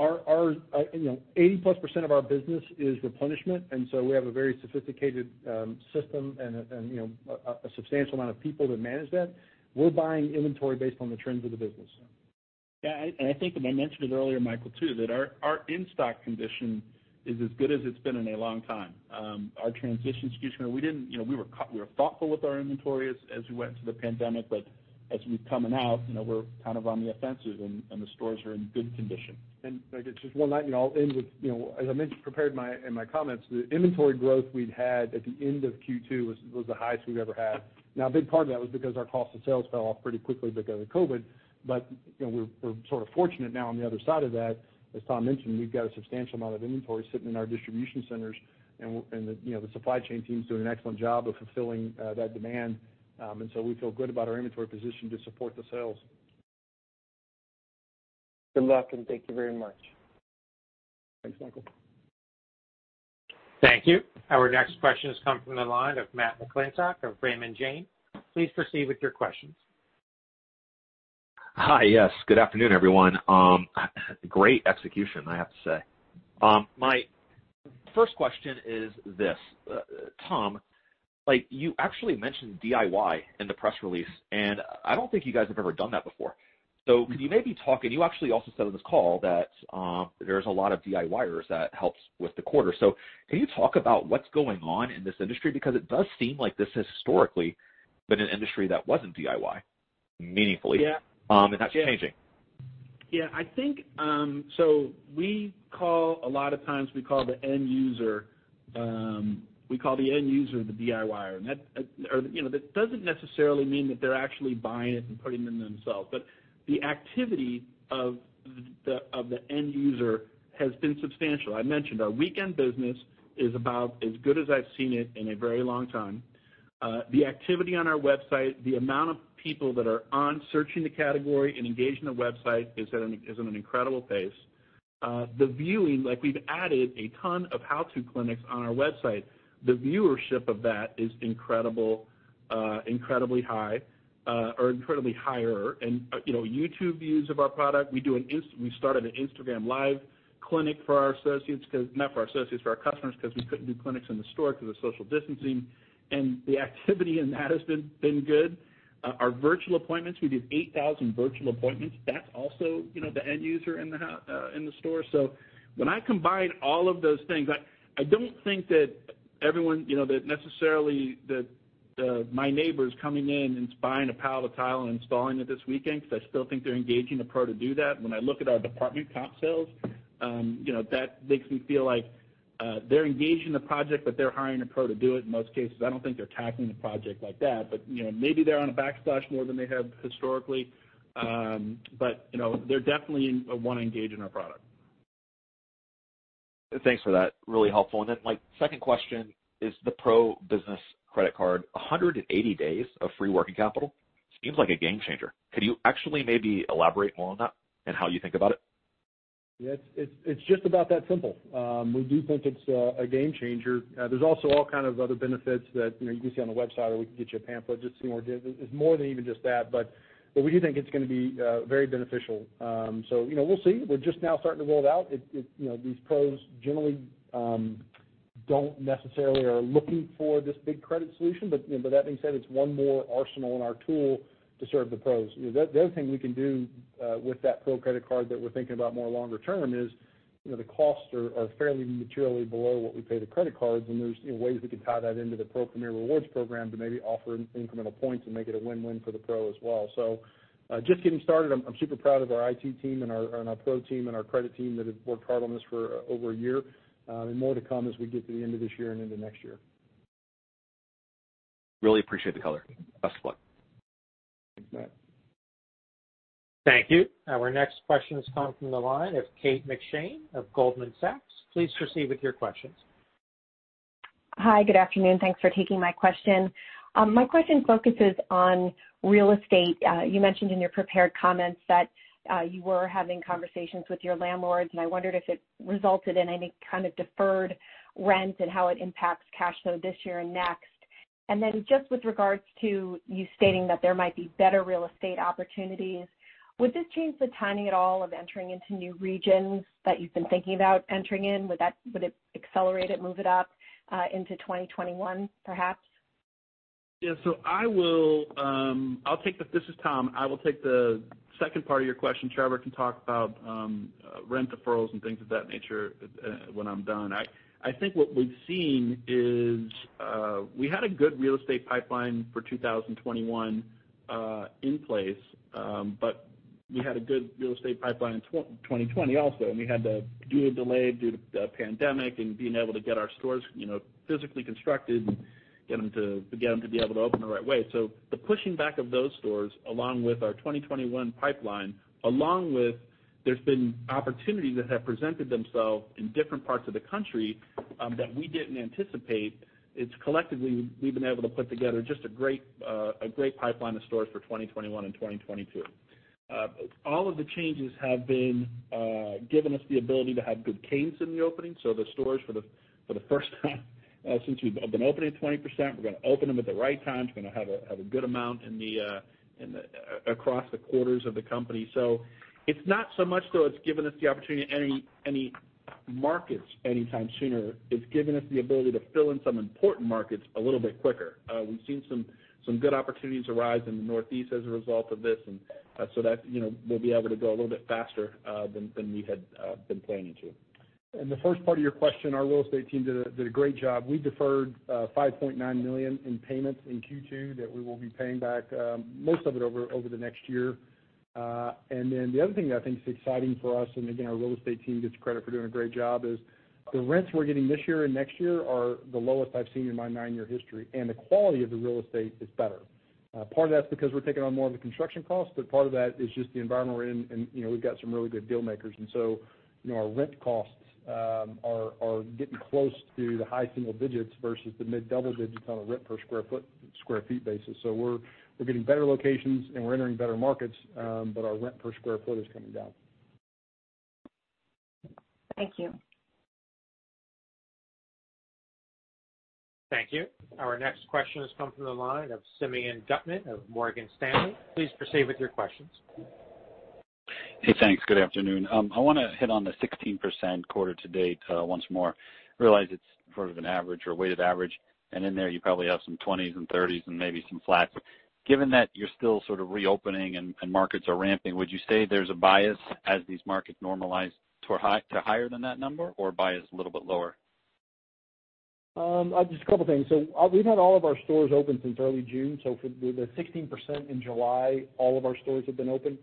Our, you know, +80% of business is replenishment. We have a very sophisticated system and, you know, a substantial number of people that manage that. We're buying inventory based on the trends of the business. I think I mentioned it earlier, Michael, too, that our in-stock condition is as good as it's been in a long time. Our transition, we didn't, you know; we were thoughtful with our inventories as we went through the pandemic. As we've come out, you know, we're kind of on the offensive and the stores are in good condition. Like, it's just one last thing I'll end with. You know, as I mentioned in my comments, the inventory growth we'd had at the end of Q2 was the highest we've ever had. A big part of that was because our cost of sales fell off pretty quickly because of COVID. You know, we're sort of fortunate now on the other side of that. As Tom mentioned, we've got a substantial amount of inventory sitting in our distribution centers, and, you know, the supply chain team's doing an excellent job of fulfilling that demand. We feel good about our inventory position to support the sales. Good luck, and thank you very much. Thanks, Michael. Thank you. Our next question is coming from the line of Matt McClintock of Raymond James. Please proceed with your questions. Hi. Yes, good afternoon, everyone. Great execution, I have to say. My first question is this. Tom, like, you actually mentioned DIY in the press release; I don't think you guys have ever done that before. Could you maybe talk and you actually also said on this call that there are a lot of DIYers that help with the quarter. Can you talk about what's going on in this industry? Because it does seem like this has historically been an industry that wasn't DIY meaningfully. Yeah. That's changing. Yeah. I think, we call a lot of times, we call the end user the DIYer. That, you know, that doesn't necessarily mean that they're actually buying it and putting it in themselves. The activity of the end user has been substantial. I mentioned our weekend business is about as good as I've seen it in a very long time. The activity on our website, the amount of people that are on searching the category and engaging with the website, is at an incredible pace. The viewing, like, we've added a ton of how-to clinics on our website. The viewership of that is incredible, incredibly high, incredibly higher than anything else. YouTube views of our product? we started an Instagram Live clinic for our associates, for our customers—'cause we couldn't do clinics in the store because of social distancing. The activity there has been good. Our virtual appointments: we did 8,000 virtual appointments. That's also, you know, the end user in the store. When I combine all of those things, I don't think that everyone, you know, necessarily thinks that my neighbor's coming in and is buying a pallet of tile and installing it this weekend 'cause I still think they're engaging a pro to do that. When I look at our department comp sales, you know, that makes me feel like they're engaging with the project, but they're hiring a pro to do it in most cases. I don't think they're tackling the project like that. You know, maybe they're on a backsplash more than they have historically. You know, they definitely want to engage with our product. Thanks for that. Really helpful. My second question is the PRO business credit card. 180 days of free working capital seems like a game changer. Could you actually maybe elaborate more on that and how you think about it? Yeah, it's just about that simple. We do think it's a game changer. There are also all kinds of other benefits that, you know, you can see on the website, or we can get you a pamphlet. Just some more; it's more than even just that, but we do think it's going to be very beneficial. You know, we'll see. We're just now starting to roll it out. It, you know, these pros generally aren't necessarily looking for this big credit solution. You know, that being said, it's one more tool in our arsenal to serve the pros. You know, the other thing we can do with that Pro credit card that we're thinking about longer term is, you know, the costs are fairly materially below what we pay the credit cards; there are, you know, ways we can tie that into the Pro Premier Rewards program to maybe offer incremental points and make it a win-win for the Pro as well. Just getting started. I'm super proud of our IT team and our Pro team and our credit team that have worked hard on this for over a year. More to come as we get to the end of this year and into next year. Really appreciate the color. Best of luck. Thanks, Matt. Thank you. Our next question has come from the line of Kate McShane of Goldman Sachs. Please proceed with your questions. Hi, good afternoon. Thanks for taking my question. My question focuses on real estate. You mentioned in your prepared comments that you were having conversations with your landlords, and I wondered if it resulted in any kind of deferred rent and how it impacts cash flow this year and next. Just with regard to you stating that there might be better real estate opportunities, would this change the timing at all of entering into new regions that you've been thinking about entering? Would that accelerate it, move it up into 2021 perhaps? I will take the second part of your question. Trevor can talk about rent deferrals and things of that nature when I'm done. I think what we've seen is we had a good real estate pipeline for 2021 in place; we had a good real estate pipeline in 2020 also, and we had to do a delay due to the pandemic and being able to get our stores physically constructed and get them to be able to open the right way. The pushing back of those stores, along with our 2021 pipeline, along with opportunities that have presented themselves in different parts of the country that we didn't anticipate. It's collectively that we've been able to put together just a great, a great pipeline of stores for 2021 and 2022. All of the changes have given us the ability to have good cadence in the opening. The stores, for the first time since they have been opening at 20%, are going to open them at the right time. We're going to have a good amount across the quarters of the company. It's not so much, though; it's given us the opportunity in any markets anytime sooner. It's given us the ability to fill in some important markets a little bit quicker. We've seen some good opportunities arise in the Northeast as a result of this. So that's, you know, we'll be able to go a little bit faster than we had been planning to. The first part of your question: our real estate team did a great job. We deferred $5.9 million in payments in Q2 that we will be paying back most of it over the next year. The other thing that I think is exciting for us, and again, our real estate team gets credit for doing a great job, is that the rents we're getting this year and next year are the lowest I've seen in my nine-year history, and the quality of the real estate is better. Part of that's because we're taking on more of the construction costs, but part of that is just the environment we're in. You know, we've got some really good deal makers. You know, our rent costs are getting close to the high single digits versus the mid-double digits on a rent per square foot, square feet basis. We're getting better locations, and we're entering better markets, but our rent per square foot is coming down. Thank you. Thank you. Our next question has come from the line of Simeon Gutman of Morgan Stanley. Please proceed with your questions. Hey, thanks. Good afternoon. I want to hit the 16% quarter-to-date once more. Realize it's sort of an average or weighted average, and in there you probably have some 20s and 30s and maybe some flats. Given that you're still sort of reopening and markets are ramping, would you say there's a bias as these markets normalize to a high, to higher than that number, or bias a little bit lower? Just a couple things. We've had all of our stores open since early June. For the 16% in July, all of our stores have been open.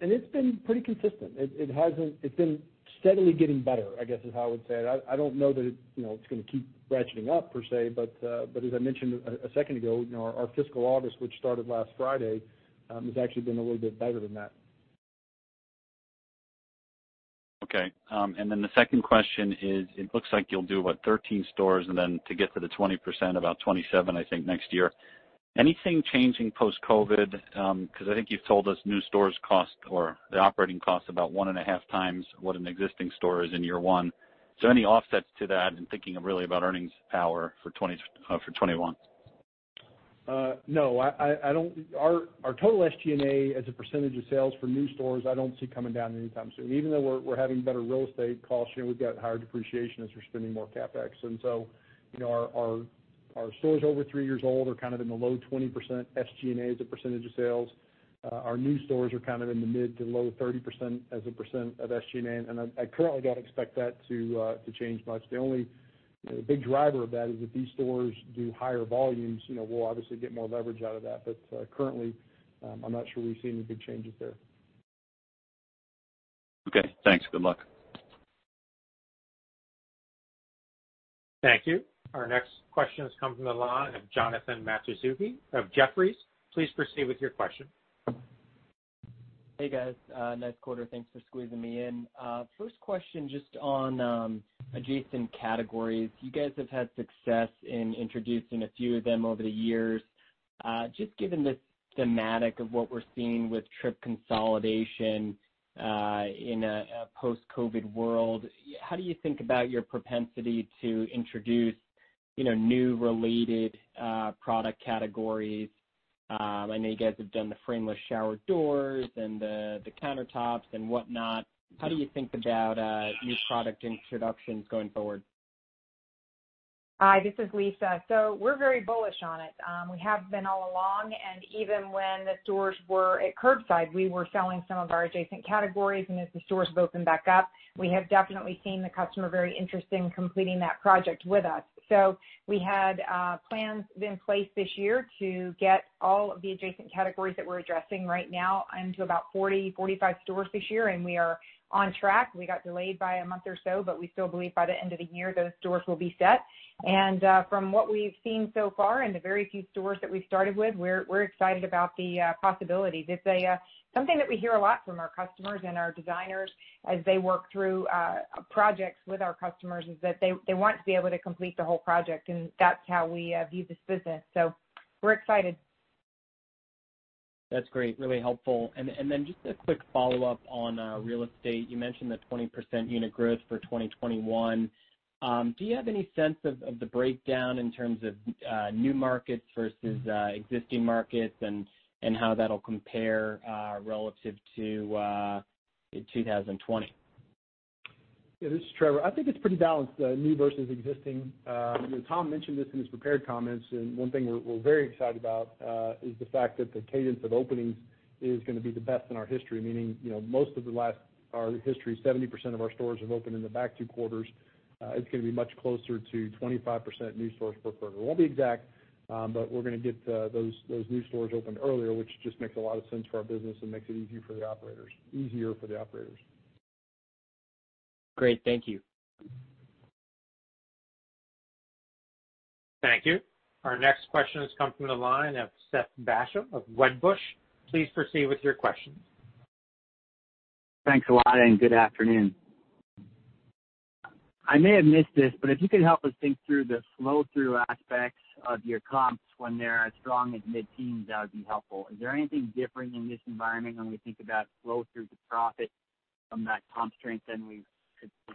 It's been pretty consistent. It hasn't; it's been steadily getting better, I guess is how I would say it. I don't know that it's going to keep ratcheting up per se, as I mentioned a second ago, you know, our fiscal August, which started last Friday, has actually been a little bit better than that. Okay. The second question is, it looks like you'll do what, 13 stores and then to get to the 20%, about 27, I think, next year? Anything changing post-COVID? Because I think you've told us new stores cost or the operating cost is about one and a half times what an existing store's is in year one. Any offsets to that in thinking really about earnings power for 2021? No. Our total SG&A as a percentage of sales for new stores, I don't see coming down anytime soon. Even though we're having better real estate costs, you know, we've got higher depreciation as we're spending more CapEx. You know, our stores over three years old are kind of in the low 20% SG&A as a percentage of sales. Our new stores are kind of in the mid- to low 30% as a percent of SG&A. I currently don't expect that to change much. The only, you know, big driver of that is if these stores do higher volumes; you know, we'll obviously get more leverage out of that. Currently, I'm not sure we've seen any big changes there. Okay. Thanks. Good luck. Thank you. Our next question has come from the line of Jonathan Matuszewski of Jefferies. Please proceed with your question. Hey, guys. Nice quarter. Thanks for squeezing me in. First question, just on adjacent categories. You guys have had success in introducing a few of them over the years. Just given the theme of what we're seeing with trip consolidation in a post-COVID world, how do you think about your propensity to introduce, you know, new related product categories? I know you guys have done the frameless shower doors and the countertops and whatnot. How do you think about new product introductions going forward? Hi, this is Lisa. We're very bullish on it. We have been all along, and even when the stores were at curbside, we were selling some of our adjacent categories. As the stores have opened back up, we have definitely seen the customer very interested in completing that project with us. We had plans in place this year to get all of the adjacent categories that we're addressing right now into about 40-45 stores this year, and we are on track. We got delayed by a month or so, but we still believe by the end of the year, those stores will be set. From what we've seen so far in the very few stores that we've started with, we're excited about the possibilities. It's something that we hear a lot from our customers and our designers as they work through projects with our customers: they want to be able to complete the whole project, and that's how we view this business. We're excited. That's great and really helpful. Then just a quick follow-up on real estate. You mentioned the 20% unit growth for 2021. Do you have any sense of the breakdown in terms of new markets versus existing markets and how that'll compare relative to 2020? Yeah, this is Trevor. I think it's pretty balanced, new versus existing. You know, Tom mentioned this in his prepared comments, and one thing we're very excited about is the fact that the cadence of openings is going to be the best in our history. Meaning, you know, most of the last our history, 70% of our stores have opened in the last two quarters. It's going to be much closer to 25% new stores per quarter. It won't be exact, but we're going to get those new stores opened earlier, which just makes a lot of sense for our business and makes it easy for the operators—easier for the operators. Great. Thank you. Thank you. Our next question has come from the line of Seth Basham of Wedbush. Please proceed with your question. Thanks a lot, and good afternoon. I may have missed this, but if you could help us think through the flow-through aspects of your comps when they're as strong as mid-teens, that would be helpful. Is there anything different in this environment when we think about flow-through to profit from that comp strength than we could when we're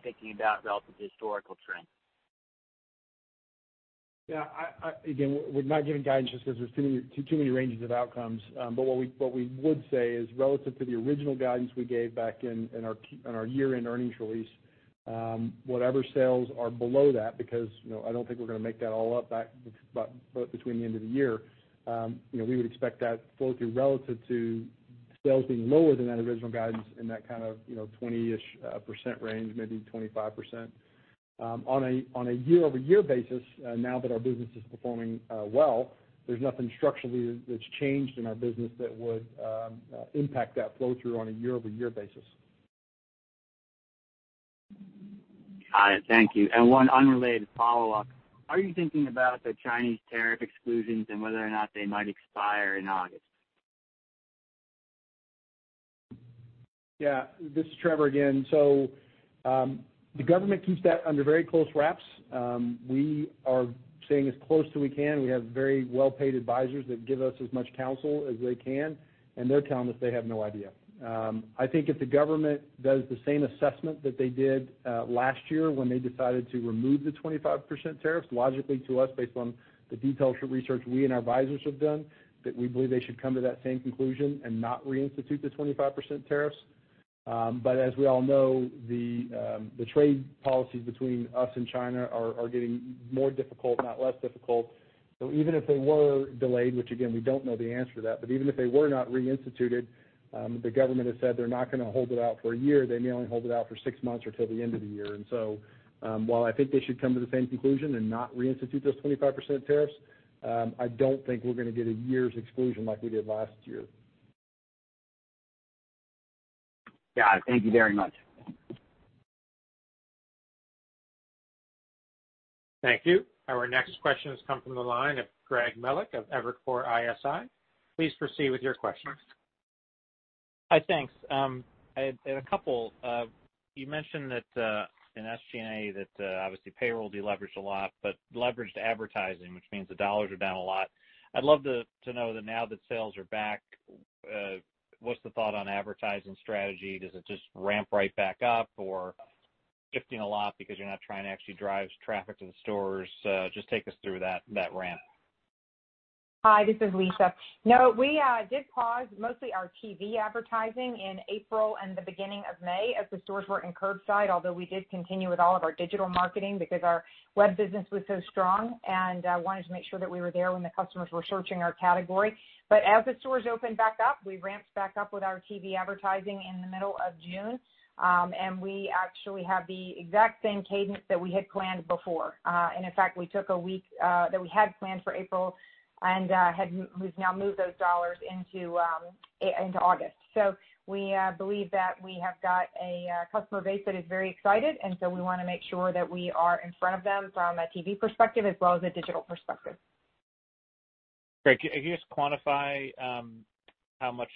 thinking about relative to historical strength? Yeah, again, we're not giving guidance just because there are too many ranges of outcomes. What we would say is relative to the original guidance we gave back in our year-end earnings release, whatever sales are below that, because, you know, I don't think we're going to make that all up back between the end of the year; you know, we would expect that flow through relative to sales being lower than that original guidance in that kind of, you know, 20% range, maybe 25%. On a year-over-year basis, now that our business is performing well, there's nothing structurally that's changed in our business that would impact that flow through on a year-over-year basis. Got it. Thank you. One unrelated follow-up. Are you thinking about the Chinese tariff exclusions and whether or not they might expire in August? Yeah, this is Trevor again. The government keeps that under very close wraps. We are staying as close as we can. We have very well-paid advisors that give us as much counsel as they can, and they're telling us they have no idea. I think if the government does the same assessment that they did last year when they decided to remove the 25% tariffs, logically to us, based on the detailed research we and our advisors have done, they should come to that same conclusion and not reinstitute the 25% tariffs. As we all know, the trade policies between the U.S. and China are getting more difficult, not less difficult. Even if they were delayed, which again, we don't know the answer to, but even if they were not reinstituted, the government has said they're not going to hold it out for a year. They may only hold it out for six months or till the end of the year. While I think they should come to the same conclusion and not reinstitute those 25% tariffs, I don't think we're going to get a year's exclusion like we did last year. Got it. Thank you very much. Thank you. Our next question has come from the line of Greg Melich of Evercore ISI. Please proceed with your question. Hi, thanks. I had a couple. You mentioned that in SG&A that obviously payroll deleveraged a lot but leveraged advertising, which means the dollars are down a lot. I'd love to know that now that sales are back, what's the thought on advertising strategy? Does it just ramp right back up or shift a lot because you're not trying to actually drive traffic to the stores? Just take us through that ramp. Hi, this is Lisa. No, we did pause mostly our TV advertising in April and the beginning of May as the stores were in curbside, although we did continue with all of our digital marketing because our web business was so strong and we wanted to make sure that we were there when the customers were searching our category. As the stores opened back up, we ramped back up with our TV advertising in the middle of June. We actually have the exact same cadence that we had planned before. In fact, we took a week that we had planned for April, and we've now moved those dollars into August. We believe that we have got a customer base that is very excited, and so we want to make sure that we are in front of them from a TV perspective as well as a digital perspective. Great. Can you just quantify how much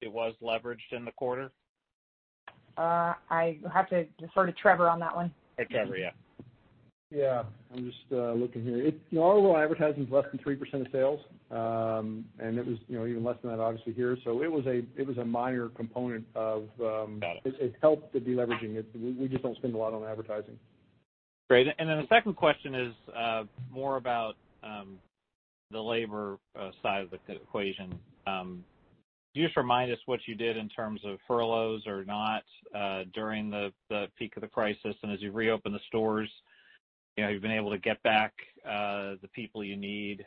it was leveraged in the quarter? I have to defer to Trevor on that one. To Trevor, yeah. Yeah. I'm just looking here. You know, our overall advertising is less than 3% of sales. It was, you know, even less than that, obviously, here. It was a minor component of that. Got it. it helped the deleveraging. We just don't spend a lot on advertising. Great. The second question is more about the labor side of the equation. Can you just remind us what you did in terms of furloughs or not during the peak of the crisis? As you reopen the stores, you know, you've been able to get back the people you need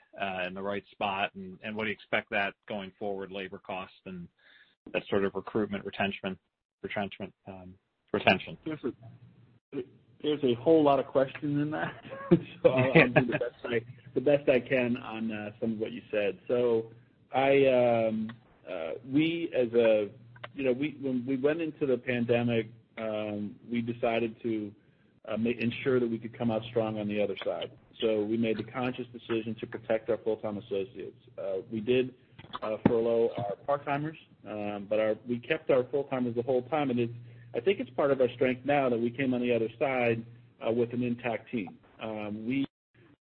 in the right spot. What do you expect going forward, labor cost and that sort of recruitment retrenchment and retention? There are a whole lot of questions in that. I'll do the best I can on some of what you said. We, as a You know, when we went into the pandemic, we decided to ensure that we could come out strong on the other side. We made the conscious decision to protect our full-time associates. We did furlough our part-timers, but we kept our full-timers the whole time. It's, I think it's part of our strength now that we came out on the other side with an intact team. We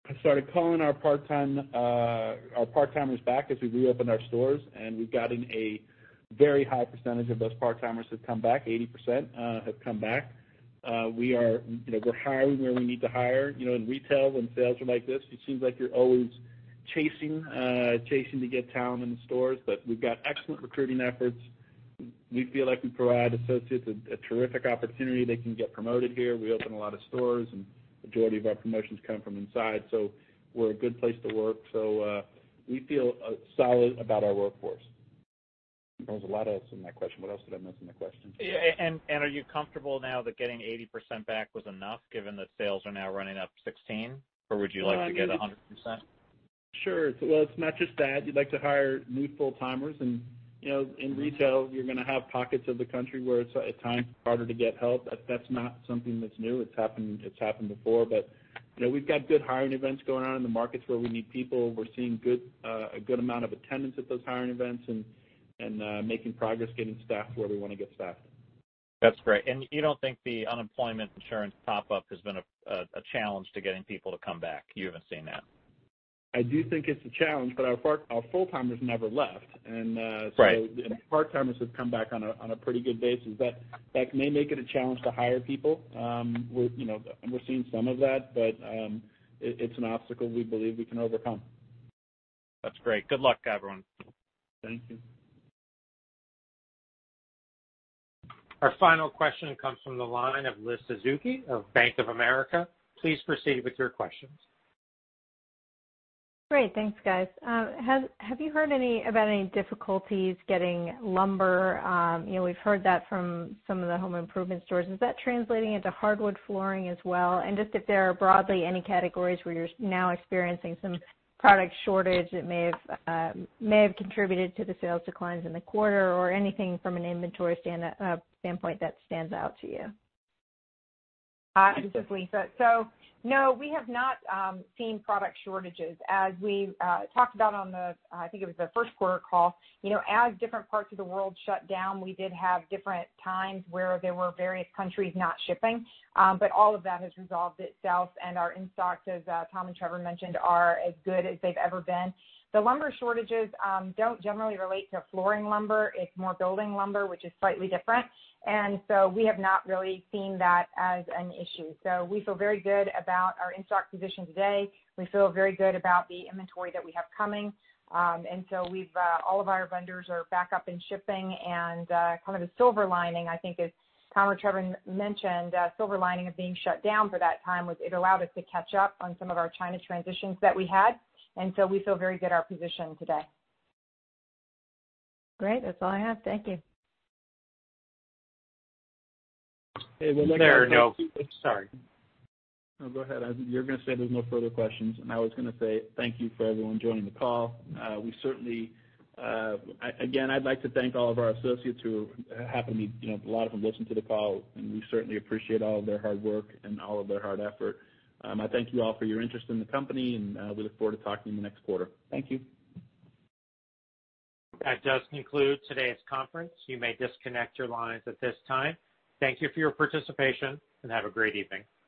have started calling our part-timers back as we reopen our stores, and we've gotten a very high percentage of those part-timers to come back. 80% have come back. We are, you know, we're hiring where we need to hire. You know, in retail, when sales are like this, it seems like you're always chasing to get talent in the stores. We've got excellent recruiting efforts. We feel like we provide associates a terrific opportunity. They can get promoted here. We open a lot of stores, and the majority of our promotions come from inside. We're a good place to work. We feel solid about our workforce. There was a lot else in that question. What else did I miss in the question? Yeah. Are you comfortable now that getting 80% back was enough, given that sales are now running up by 16%? Or would you like to get 100%? Sure. Well, it's not just that. You'd like to hire new full-timers. You know, in retail, you're gonna have pockets of the country where it's, at times, harder to get help. That's not something that's new. It's happened before. You know, we've got good hiring events going on in the markets where we need people. We're seeing good, a good amount of attendance at those hiring events and making progress getting staffed where we want to get staffed. That's great. You don't think the unemployment insurance pop-up has been a challenge to getting people to come back? You haven't seen that? I do think it's a challenge, but our full-timers never left. Right Part-timers have come back on a pretty good basis. That may make it a challenge to hire people. We're, you know, seeing some of that, but it's an obstacle we believe we can overcome. That's great. Good luck, everyone. Thank you. Our final question comes from the line of Elizabeth Suzuki of Bank of America. Please proceed with your questions. Great. Thanks, guys. Have you heard anything about any difficulties getting lumber? you know, we've heard that from some of the home improvement stores. Is that translating into hardwood flooring as well? Just if there are broadly any categories where you're now experiencing some product shortage that may have contributed to the sales declines in the quarter or anything from an inventory standpoint that stands out to you? This is Lisa. No, we have not seen product shortages. As we talked about on the—I think it was the first quarter call, you know, as different parts of the world shut down, we did have different times where there were various countries not shipping. All of that has resolved itself, and our in-stocks, as Tom and Trevor mentioned, are as good as they've ever been. The lumber shortages don't generally relate to flooring lumber. It's more building lumber, which is slightly different. We have not really seen that as an issue. We feel very good about our in-stock position today. We feel very good about the inventory that we have coming. We've all of our vendors back up and shipping, and kind of the silver lining, I think as Tom or Trevor mentioned, the silver lining of being shut down for that time was it allowed us to catch up on some of our China transitions that we had. We feel very good about our position today. Great. That's all I have. Thank you. There are no- Sorry. No, go ahead. You were going to say there are no further questions, and I was going to say thank you for everyone joining the call. We certainly, again, I'd like to thank all of our associates who happen to be, you know, a lot of them listen to the call, and we certainly appreciate all of their hard work and all of their hard effort. I thank you all for your interest in the company, and we look forward to talking to you next quarter. Thank you. That does conclude today's conference. You may disconnect your lines at this time. Thank you for your participation, and have a great evening.